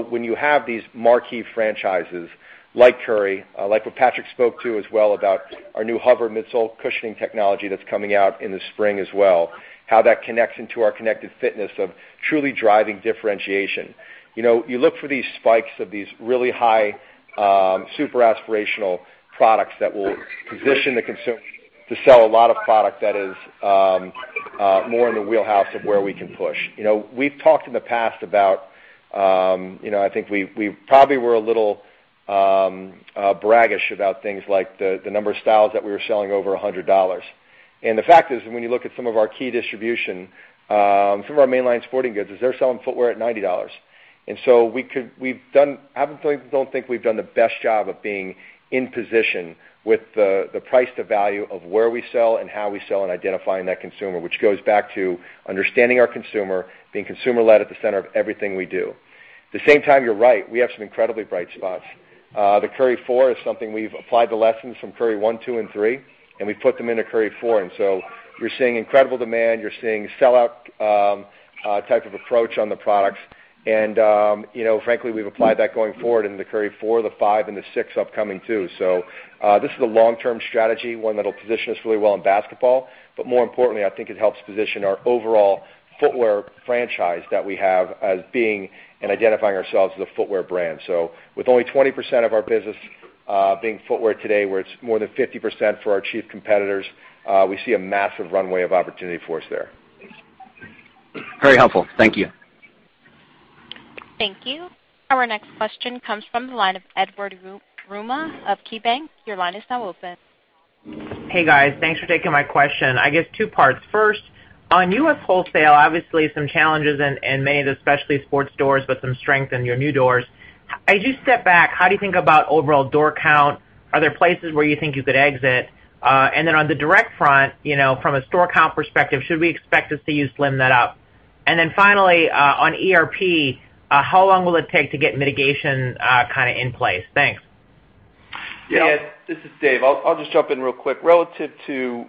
When you have these marquee franchises like Curry, like what Patrik spoke to as well about our new HOVR midsole cushioning technology that's coming out in the spring as well, how that connects into our connected fitness of truly driving differentiation. You look for these spikes of these really high, super aspirational products that will position the consumer to sell a lot of product that is more in the wheelhouse of where we can push. We've talked in the past about, I think we probably were a little braggish about things like the number of styles that we were selling over $100. The fact is, when you look at some of our key distribution, some of our mainline sporting goods, they're selling footwear at $90. I don't think we've done the best job of being in position with the price to value of where we sell and how we sell in identifying that consumer, which goes back to understanding our consumer, being consumer-led at the center of everything we do. At the same time, you're right. We have some incredibly bright spots. The Curry 4 is something we've applied the lessons from Curry 1, 2, and 3, and we've put them into Curry 4. You're seeing incredible demand. You're seeing sellout type of approach on the products. Frankly, we've applied that going forward into the Curry 4, the 5, and the 6 upcoming, too. This is a long-term strategy, one that'll position us really well in basketball. More importantly, I think it helps position our overall footwear franchise that we have as being and identifying ourselves as a footwear brand. With only 20% of our business being footwear today, where it's more than 50% for our chief competitors, we see a massive runway of opportunity for us there. Very helpful. Thank you. Thank you. Our next question comes from the line of Edward Yruma of KeyBanc Capital Markets. Your line is now open. Hey, guys. Thanks for taking my question. I guess two parts. First, on U.S. wholesale, obviously some challenges in many of the specialty sports stores, but some strength in your new doors. As you step back, how do you think about overall door count? Are there places where you think you could exit? On the direct front, from a store count perspective, should we expect to see you slim that up? Finally, on ERP, how long will it take to get mitigation kind of in place? Thanks. Yeah. This is Dave. I'll just jump in real quick. Relative to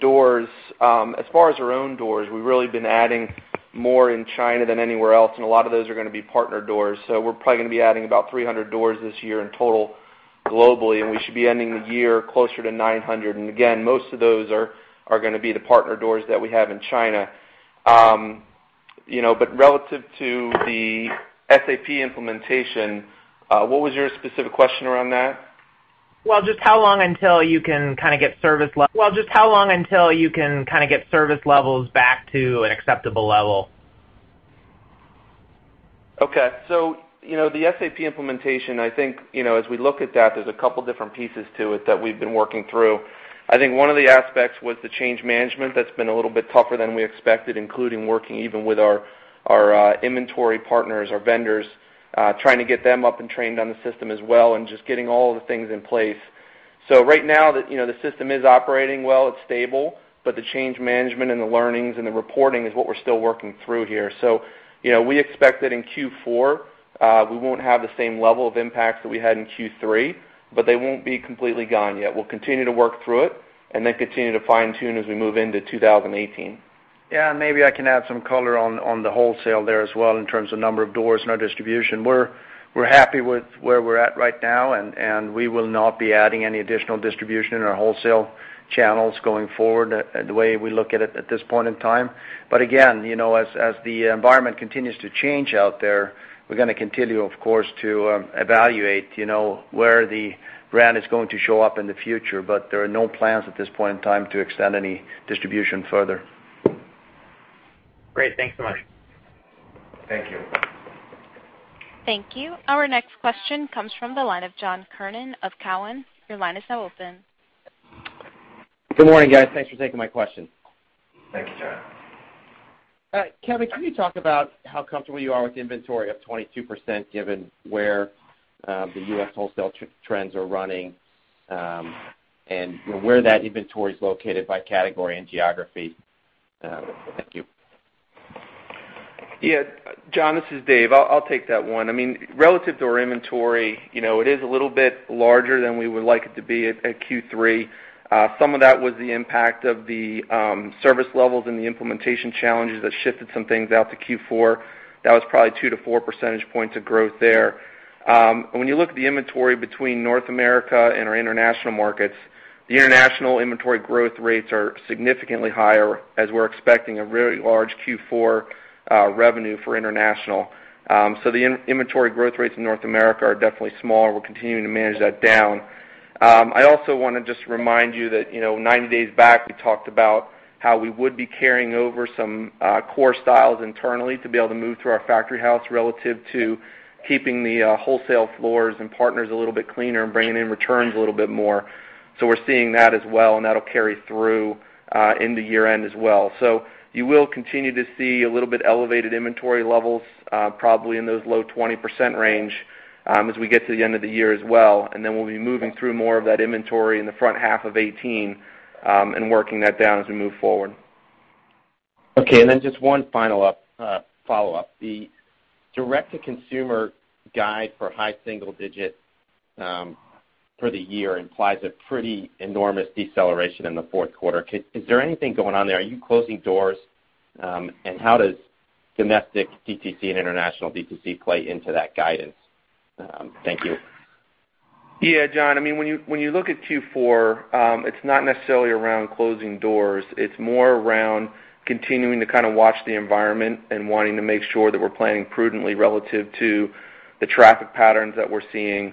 doors, as far as our own doors, we've really been adding more in China than anywhere else, and a lot of those are going to be partner doors. We're probably going to be adding about 300 doors this year in total globally, and we should be ending the year closer to 900. Again, most of those are going to be the partner doors that we have in China. Relative to the SAP implementation, what was your specific question around that? Well, just how long until you can kind of get service levels back to an acceptable level? Okay. The SAP implementation, I think as we look at that, there's a couple different pieces to it that we've been working through. I think one of the aspects was the change management that's been a little bit tougher than we expected, including working even with our inventory partners, our vendors, trying to get them up and trained on the system as well and just getting all of the things in place. Right now, the system is operating well. It's stable. The change management and the learnings and the reporting is what we're still working through here. We expect that in Q4, we won't have the same level of impacts that we had in Q3, but they won't be completely gone yet. We'll continue to work through it and then continue to fine-tune as we move into 2018. Yeah, maybe I can add some color on the wholesale there as well in terms of number of doors and our distribution. We're happy with where we're at right now, we will not be adding any additional distribution in our wholesale channels going forward the way we look at it at this point in time. Again, as the environment continues to change out there, we're going to continue, of course, to evaluate where the brand is going to show up in the future. There are no plans at this point in time to extend any distribution further. Great. Thanks so much. Thank you. Thank you. Our next question comes from the line of John Kernan of Cowen. Your line is now open. Good morning, guys. Thanks for taking my question. Thank you, John. Kevin, can you talk about how comfortable you are with inventory up 22%, given where the U.S. wholesale trends are running and where that inventory is located by category and geography? Thank you. Yeah. John, this is Dave. I'll take that one. Relative to our inventory, it is a little bit larger than we would like it to be at Q3. Some of that was the impact of the service levels and the implementation challenges that shifted some things out to Q4. That was probably 2 to 4 percentage points of growth there. When you look at the inventory between North America and our international markets, the international inventory growth rates are significantly higher as we're expecting a very large Q4 revenue for international. The inventory growth rates in North America are definitely smaller. We're continuing to manage that down. I also want to just remind you that 90 days back, we talked about how we would be carrying over some core styles internally to be able to move through our factory house relative to keeping the wholesale floors and partners a little bit cleaner and bringing in returns a little bit more. We're seeing that as well, and that'll carry through into year-end as well. You will continue to see a little bit elevated inventory levels, probably in those low 20% range as we get to the end of the year as well, and then we'll be moving through more of that inventory in the front half of 2018, and working that down as we move forward. Okay. Just one follow-up. The direct-to-consumer guide for high single digit for the year implies a pretty enormous deceleration in the fourth quarter. Is there anything going on there? Are you closing doors? How does domestic DTC and international DTC play into that guidance? Thank you. John, when you look at Q4, it's not necessarily around closing doors. It's more around continuing to watch the environment and wanting to make sure that we're planning prudently relative to the traffic patterns that we're seeing,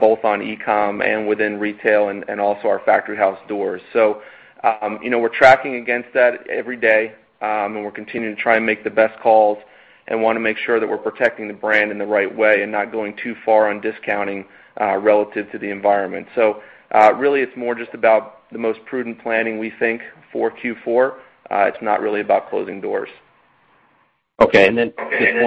both on e-com and within retail and also our factory house doors. We're tracking against that every day. We're continuing to try and make the best calls and want to make sure that we're protecting the brand in the right way and not going too far on discounting relative to the environment. Really it's more just about the most prudent planning, we think, for Q4. It's not really about closing doors. Okay. Just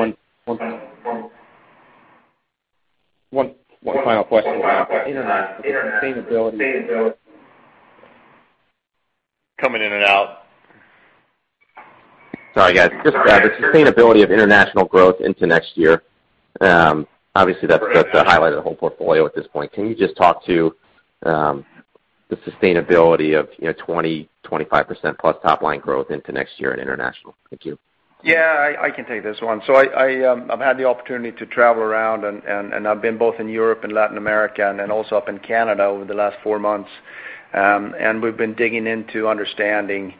one final question about international sustainability- Coming in and out. Sorry, guys. Just the sustainability of international growth into next year. Obviously that's the highlight of the whole portfolio at this point. Can you just talk to the sustainability of 20%-25% plus top-line growth into next year in international? Thank you. Yeah, I can take this one. I've had the opportunity to travel around, I've been both in Europe and Latin America, also up in Canada over the last four months. We've been digging into understanding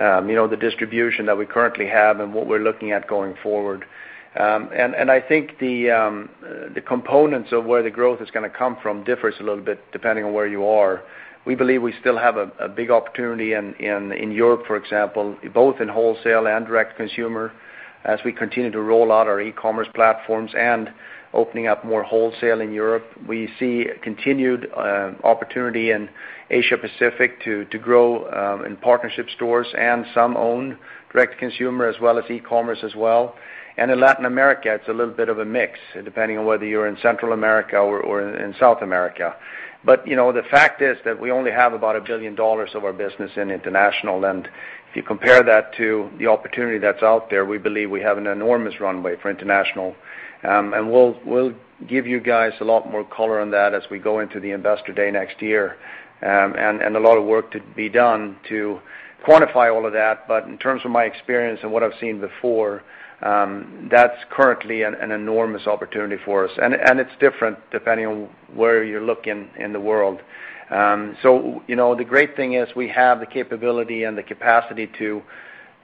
the distribution that we currently have and what we're looking at going forward. I think the components of where the growth is going to come from differs a little bit depending on where you are. We believe we still have a big opportunity in Europe, for example, both in wholesale and direct consumer, as we continue to roll out our e-commerce platforms and opening up more wholesale in Europe. We see continued opportunity in Asia Pacific to grow in partnership stores and some owned direct consumer as well as e-commerce as well. In Latin America, it's a little bit of a mix, depending on whether you're in Central America or in South America. The fact is that we only have about $1 billion of our business in international. If you compare that to the opportunity that's out there, we believe we have an enormous runway for international. We'll give you guys a lot more color on that as we go into the investor day next year. A lot of work to be done to quantify all of that. In terms of my experience and what I've seen before, that's currently an enormous opportunity for us. It's different depending on where you're looking in the world. The great thing is we have the capability and the capacity to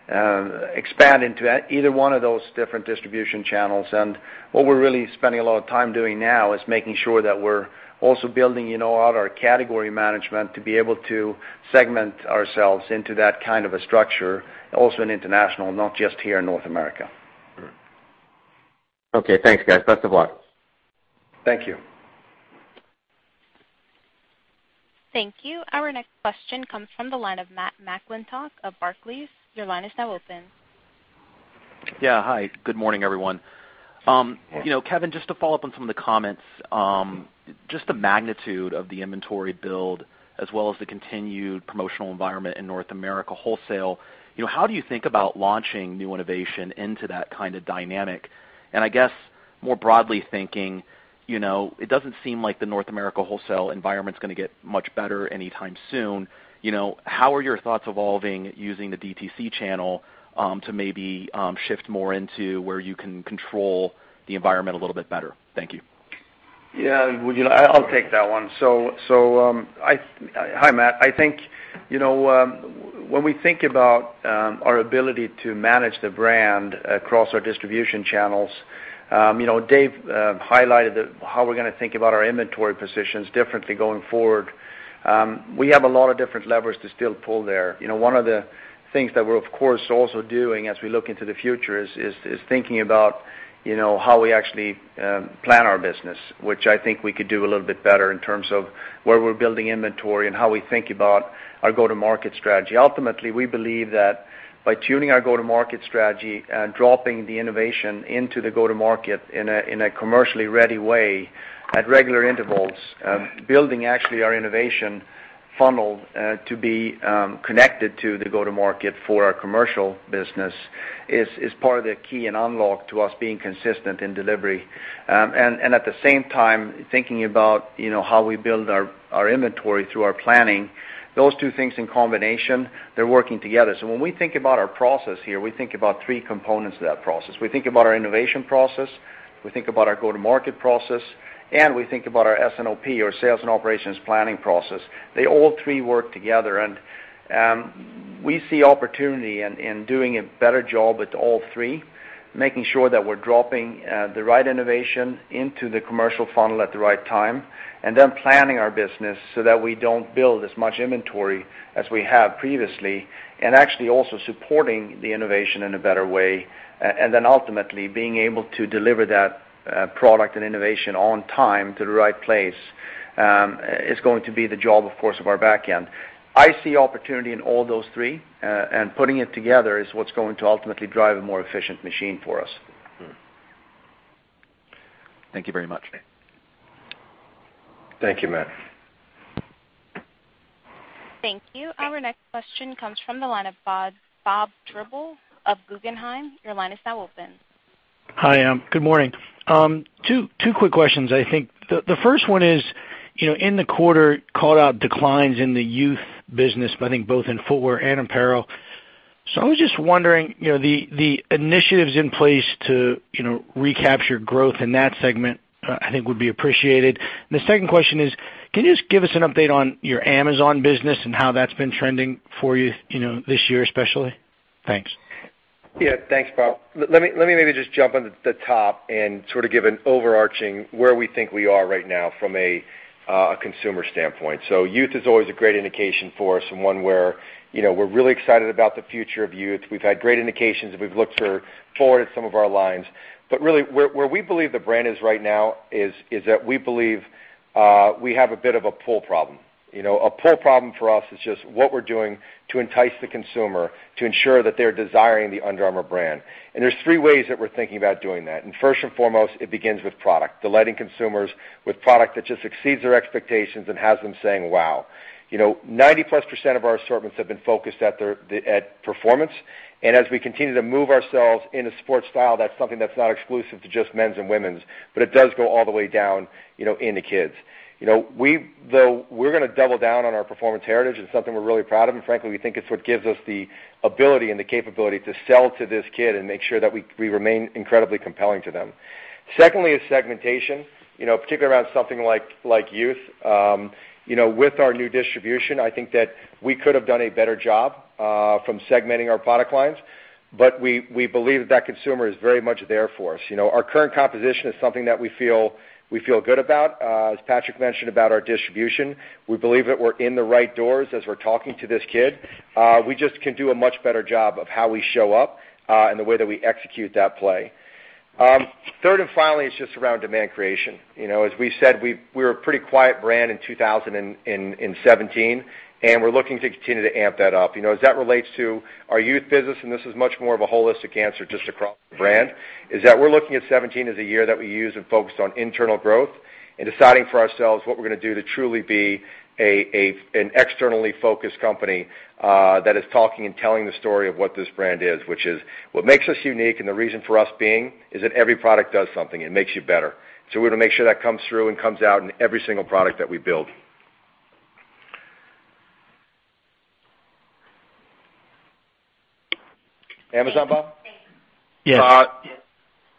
expand into either one of those different distribution channels. What we're really spending a lot of time doing now is making sure that we're also building out our category management to be able to segment ourselves into that kind of a structure, also in international, not just here in North America. Okay. Thanks, guys. Best of luck. Thank you. Thank you. Our next question comes from the line of Matthew McClintock of Barclays. Your line is now open. Yeah. Hi. Good morning, everyone. Kevin, just to follow up on some of the comments. Just the magnitude of the inventory build as well as the continued promotional environment in North America wholesale. How do you think about launching new innovation into that kind of dynamic? I guess more broadly thinking, it doesn't seem like the North America wholesale environment's going to get much better anytime soon. How are your thoughts evolving using the DTC channel to maybe shift more into where you can control the environment a little bit better? Thank you. Yeah. I'll take that one. Hi, Matt. I think, when we think about our ability to manage the brand across our distribution channels, Dave highlighted how we're going to think about our inventory positions differently going forward. We have a lot of different levers to still pull there. One of the things that we're of course also doing as we look into the future is thinking about how we actually plan our business, which I think we could do a little bit better in terms of where we're building inventory and how we think about our go-to-market strategy. Ultimately, we believe that by tuning our go-to-market strategy and dropping the innovation into the go-to-market in a commercially ready way at regular intervals, building actually our innovation funnel to be connected to the go-to-market for our commercial business is part of the key and unlock to us being consistent in delivery. At the same time thinking about how we build our inventory through our planning. Those two things in combination, they're working together. When we think about our process here, we think about three components of that process. We think about our innovation process, we think about our go-to-market process, and we think about our S&OP, our sales and operations planning process. They all three work together. We see opportunity in doing a better job with all three, making sure that we're dropping the right innovation into the commercial funnel at the right time, and then planning our business so that we don't build as much inventory as we have previously. Actually also supporting the innovation in a better way, and then ultimately being able to deliver that product and innovation on time to the right place, is going to be the job, of course, of our back end. I see opportunity in all those three, and putting it together is what's going to ultimately drive a more efficient machine for us. Thank you very much. Thank you, Matt. Thank you. Our next question comes from the line of Bob Drbul of Guggenheim. Your line is now open. Hi, good morning. two quick questions, I think. The first one is, in the quarter, called out declines in the youth business, but I think both in footwear and apparel. I was just wondering, the initiatives in place to recapture growth in that segment, I think, would be appreciated. The second question is, can you just give us an update on your Amazon business and how that's been trending for you this year, especially? Thanks. Yeah. Thanks, Bob. Let me maybe just jump on the top and sort of give an overarching where we think we are right now from a consumer standpoint. Youth is always a great indication for us and one where we're really excited about the future of youth. We've had great indications, and we've looked forward at some of our lines. Really, where we believe the brand is right now is that we believe we have a bit of a pull problem. A pull problem for us is just what we're doing to entice the consumer to ensure that they're desiring the Under Armour brand. There's three ways that we're thinking about doing that. First and foremost, it begins with product. Delighting consumers with product that just exceeds their expectations and has them saying, "Wow." 90% plus of our assortments have been focused at performance. As we continue to move ourselves into sports style, that's something that's not exclusive to just men's and women's, but it does go all the way down into kids. We're going to double down on our performance heritage. It's something we're really proud of, and frankly, we think it's what gives us the ability and the capability to sell to this kid and make sure that we remain incredibly compelling to them. Secondly is segmentation, particularly around something like youth. With our new distribution, I think that we could have done a better job from segmenting our product lines, but we believe that consumer is very much there for us. Our current composition is something that we feel good about. As Patrik mentioned about our distribution, we believe that we're in the right doors as we're talking to this kid. We just can do a much better job of how we show up, and the way that we execute that play. Third, finally, is just around demand creation. As we said, we were a pretty quiet brand in 2017, and we're looking to continue to amp that up. As that relates to our youth business, and this is much more of a holistic answer just across the brand, is that we're looking at 2017 as a year that we use and focus on internal growth and deciding for ourselves what we're going to do to truly be an externally focused company that is talking and telling the story of what this brand is. Which is what makes us unique and the reason for us being, is that every product does something. It makes you better. We want to make sure that comes through and comes out in every single product that we build. Amazon, Bob? Yes.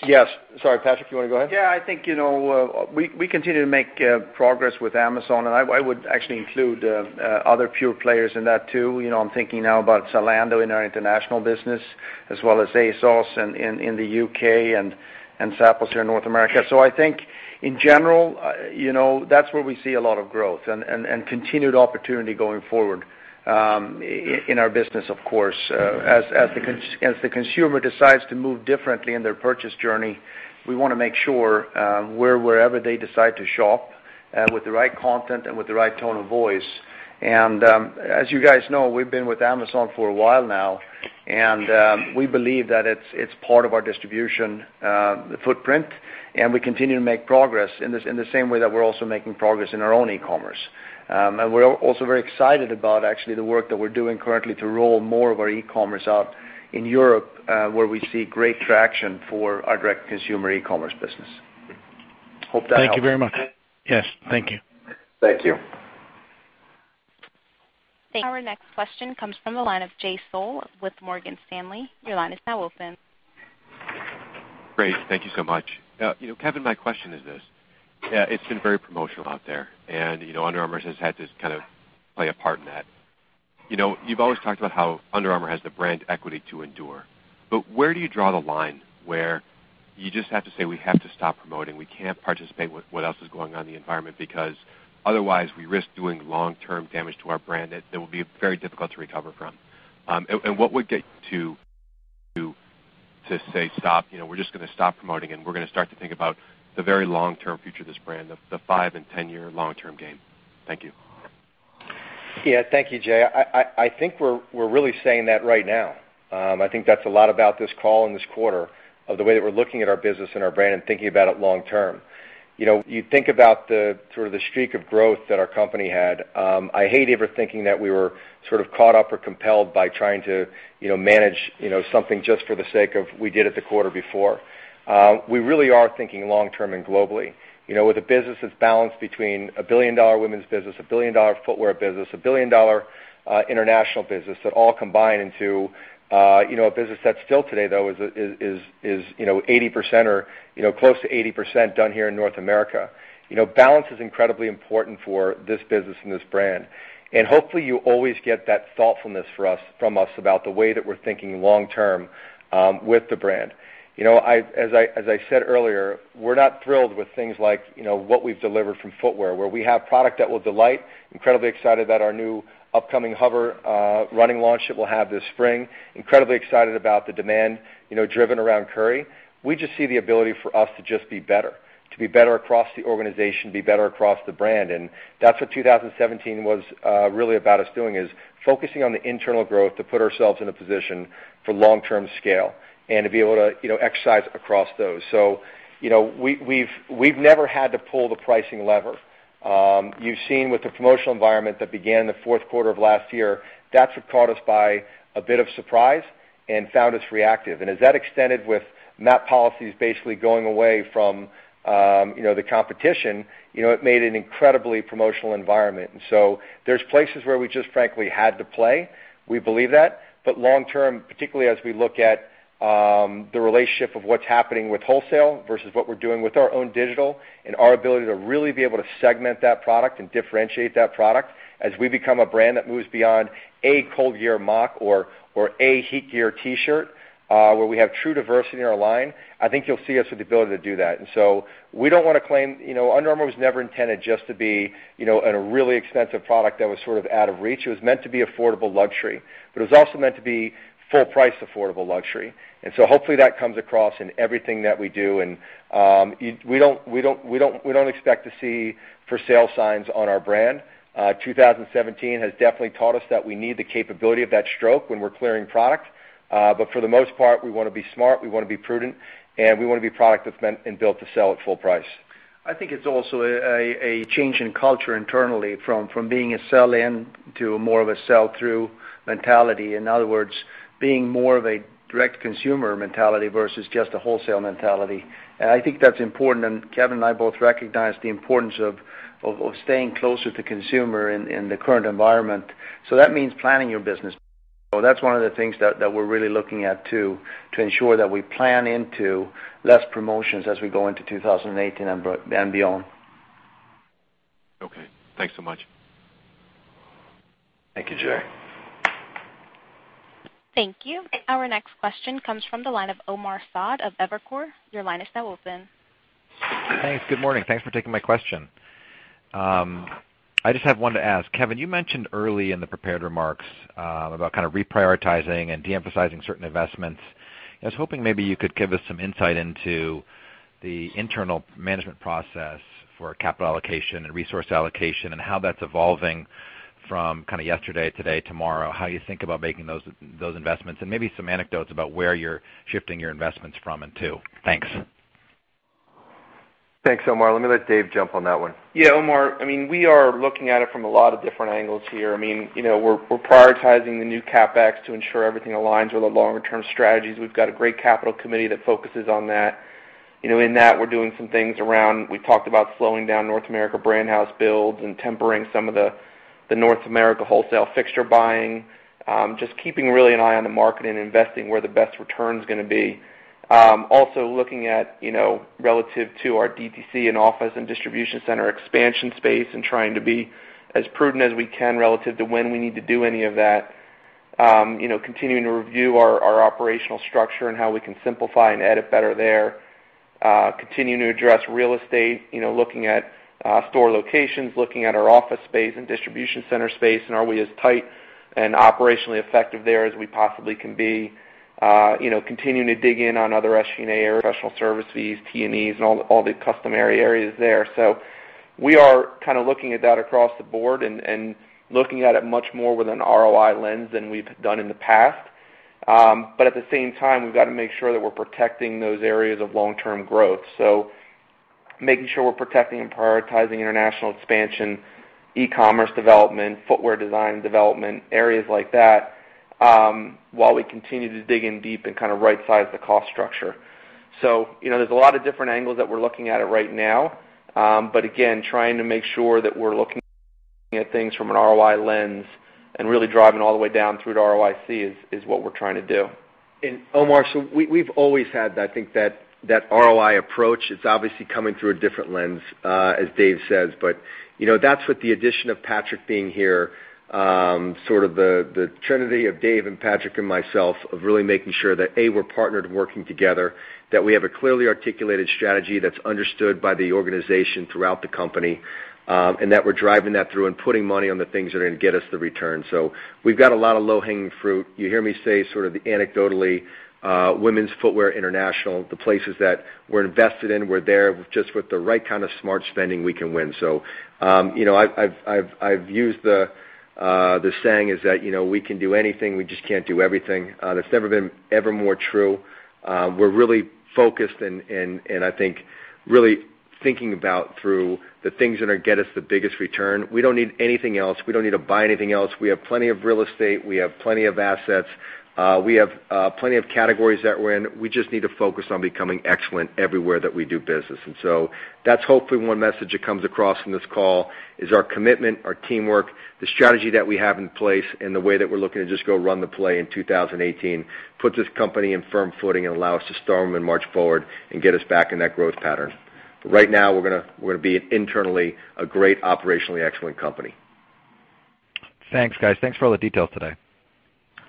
Yes. Sorry, Patrik, you want to go ahead? I think we continue to make progress with Amazon, and I would actually include other pure players in that too. I'm thinking now about Zalando in our international business, as well as ASOS in the U.K. and Zappos here in North America. I think in general that's where we see a lot of growth and continued opportunity going forward in our business, of course. As the consumer decides to move differently in their purchase journey, we want to make sure we're wherever they decide to shop with the right content and with the right tone of voice. As you guys know, we've been with Amazon for a while now, and we believe that it's part of our distribution footprint, and we continue to make progress in the same way that we're also making progress in our own e-commerce. We're also very excited about actually the work that we're doing currently to roll more of our e-commerce out in Europe where we see great traction for our direct consumer e-commerce business. Hope that helps. Thank you very much. Yes, thank you. Thank you. Our next question comes from the line of Jay Sole with Morgan Stanley. Your line is now open. Great. Thank you so much. Kevin, my question is this. It has been very promotional out there, and Under Armour has had to kind of play a part in that. You have always talked about how Under Armour has the brand equity to endure, but where do you draw the line where you just have to say, "We have to stop promoting. We can't participate with what else is going on in the environment because otherwise we risk doing long-term damage to our brand that will be very difficult to recover from." What would get you to say, "Stop. We're just going to stop promoting and we're going to start to think about the very long-term future of this brand, the 5 and 10-year long-term game"? Thank you. Thank you, Jay. I think we're really saying that right now. I think that's a lot about this call and this quarter of the way that we're looking at our business and our brand and thinking about it long term. You think about the streak of growth that our company had. I hate ever thinking that we were caught up or compelled by trying to manage something just for the sake of, we did it the quarter before. We really are thinking long-term and globally. With a business that's balanced between a billion-dollar women's business, a billion-dollar footwear business, a billion-dollar international business, that all combine into a business that's still today, though, is 80% or close to 80% done here in North America. Balance is incredibly important for this business and this brand. Hopefully you always get that thoughtfulness from us about the way that we're thinking long-term with the brand. As I said earlier, we're not thrilled with things like, what we've delivered from footwear, where we have product that will delight. Incredibly excited about our new upcoming HOVR running launch that we'll have this spring. Incredibly excited about the demand driven around Stephen Curry. We just see the ability for us to just be better. To be better across the organization, be better across the brand. That's what 2017 was really about us doing, is focusing on the internal growth to put ourselves in a position for long-term scale and to be able to exercise across those. We've never had to pull the pricing lever. You've seen with the promotional environment that began the fourth quarter of last year, that's what caught us by a bit of surprise and found us reactive. As that extended with MAP policies basically going away from the competition, it made an incredibly promotional environment. There's places where we just frankly had to play. We believe that. Long term, particularly as we look at the relationship of what's happening with wholesale versus what we're doing with our own digital and our ability to really be able to segment that product and differentiate that product as we become a brand that moves beyond a ColdGear mock or a HeatGear T-shirt, where we have true diversity in our line, I think you'll see us with the ability to do that. We don't want to claim Under Armour was never intended just to be a really expensive product that was out of reach. It was meant to be affordable luxury, but it was also meant to be full price affordable luxury. Hopefully that comes across in everything that we do. We don't expect to see for sale signs on our brand. 2017 has definitely taught us that we need the capability of that stroke when we're clearing product. For the most part, we want to be smart, we want to be prudent, and we want to be product that's meant and built to sell at full price. I think it's also a change in culture internally from being a sell in to more of a sell through mentality. In other words, being more of a direct consumer mentality versus just a wholesale mentality. I think that's important, and Kevin and I both recognize the importance of staying closer to consumer in the current environment. That means planning your business. That's one of the things that we're really looking at too, to ensure that we plan into less promotions as we go into 2018 and beyond. Okay. Thanks so much. Thank you, Jay. Thank you. Our next question comes from the line of Omar Saad of Evercore. Your line is now open. Thanks. Good morning. Thanks for taking my question. I just have one to ask. Kevin, you mentioned early in the prepared remarks about reprioritizing and de-emphasizing certain investments. I was hoping maybe you could give us some insight into the internal management process for capital allocation and resource allocation, and how that's evolving from yesterday, today, tomorrow, how you think about making those investments, and maybe some anecdotes about where you're shifting your investments from and to. Thanks. Thanks, Omar. Let me let Dave jump on that one. Yeah, Omar, we are looking at it from a lot of different angles here. We're prioritizing the new CapEx to ensure everything aligns with our longer-term strategies. We've got a great capital committee that focuses on that. In that, we're doing some things around, we talked about slowing down North America brand house builds and tempering some of the North America wholesale fixture buying. Just keeping really an eye on the market and investing where the best return's gonna be. Also looking at relative to our DTC and office and distribution center expansion space and trying to be as prudent as we can relative to when we need to do any of that. Continuing to review our operational structure and how we can simplify and edit better there. Continuing to address real estate, looking at store locations, looking at our office space and distribution center space, and are we as tight and operationally effective there as we possibly can be. Continuing to dig in on other SG&A areas, professional services, T&Es, and all the customary areas there. We are looking at that across the board and looking at it much more with an ROI lens than we've done in the past. At the same time, we've got to make sure that we're protecting those areas of long-term growth. Making sure we're protecting and prioritizing international expansion, e-commerce development, footwear design development, areas like that, while we continue to dig in deep and right size the cost structure. There's a lot of different angles that we're looking at it right now. Again, trying to make sure that we're looking at things from an ROI lens and really driving all the way down through to ROIC is what we're trying to do. Omar, we've always had that, I think, that ROI approach. It's obviously coming through a different lens, as Dave says. That's what the addition of Patrik being here, sort of the trinity of Dave and Patrik and myself, of really making sure that, A, we're partnered working together, that we have a clearly articulated strategy that's understood by the organization throughout the company, and that we're driving that through and putting money on the things that are going to get us the return. We've got a lot of low-hanging fruit. You hear me say sort of anecdotally women's footwear, international, the places that we're invested in, we're there. Just with the right kind of smart spending, we can win. I've used the saying is that, we can do anything, we just can't do everything. That's never been ever more true. We're really focused and I think really thinking about through the things that are gonna get us the biggest return. We don't need anything else. We don't need to buy anything else. We have plenty of real estate. We have plenty of assets. We have plenty of categories that we're in. We just need to focus on becoming excellent everywhere that we do business. That's hopefully one message that comes across in this call is our commitment, our teamwork, the strategy that we have in place, and the way that we're looking to just go run the play in 2018, put this company in firm footing and allow us to storm and march forward and get us back in that growth pattern. Right now, we're gonna be internally a great operationally excellent company. Thanks, guys. Thanks for all the details today.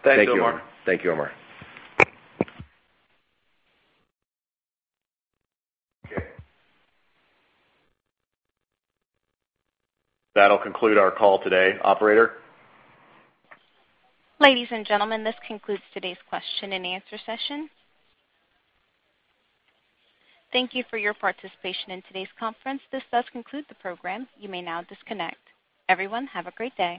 Thanks, Omar. Thank you. Thank you, Omar. Okay. That will conclude our call today. Operator? Ladies and gentlemen, this concludes today's question and answer session. Thank you for your participation in today's conference. This does conclude the program. You may now disconnect. Everyone, have a great day.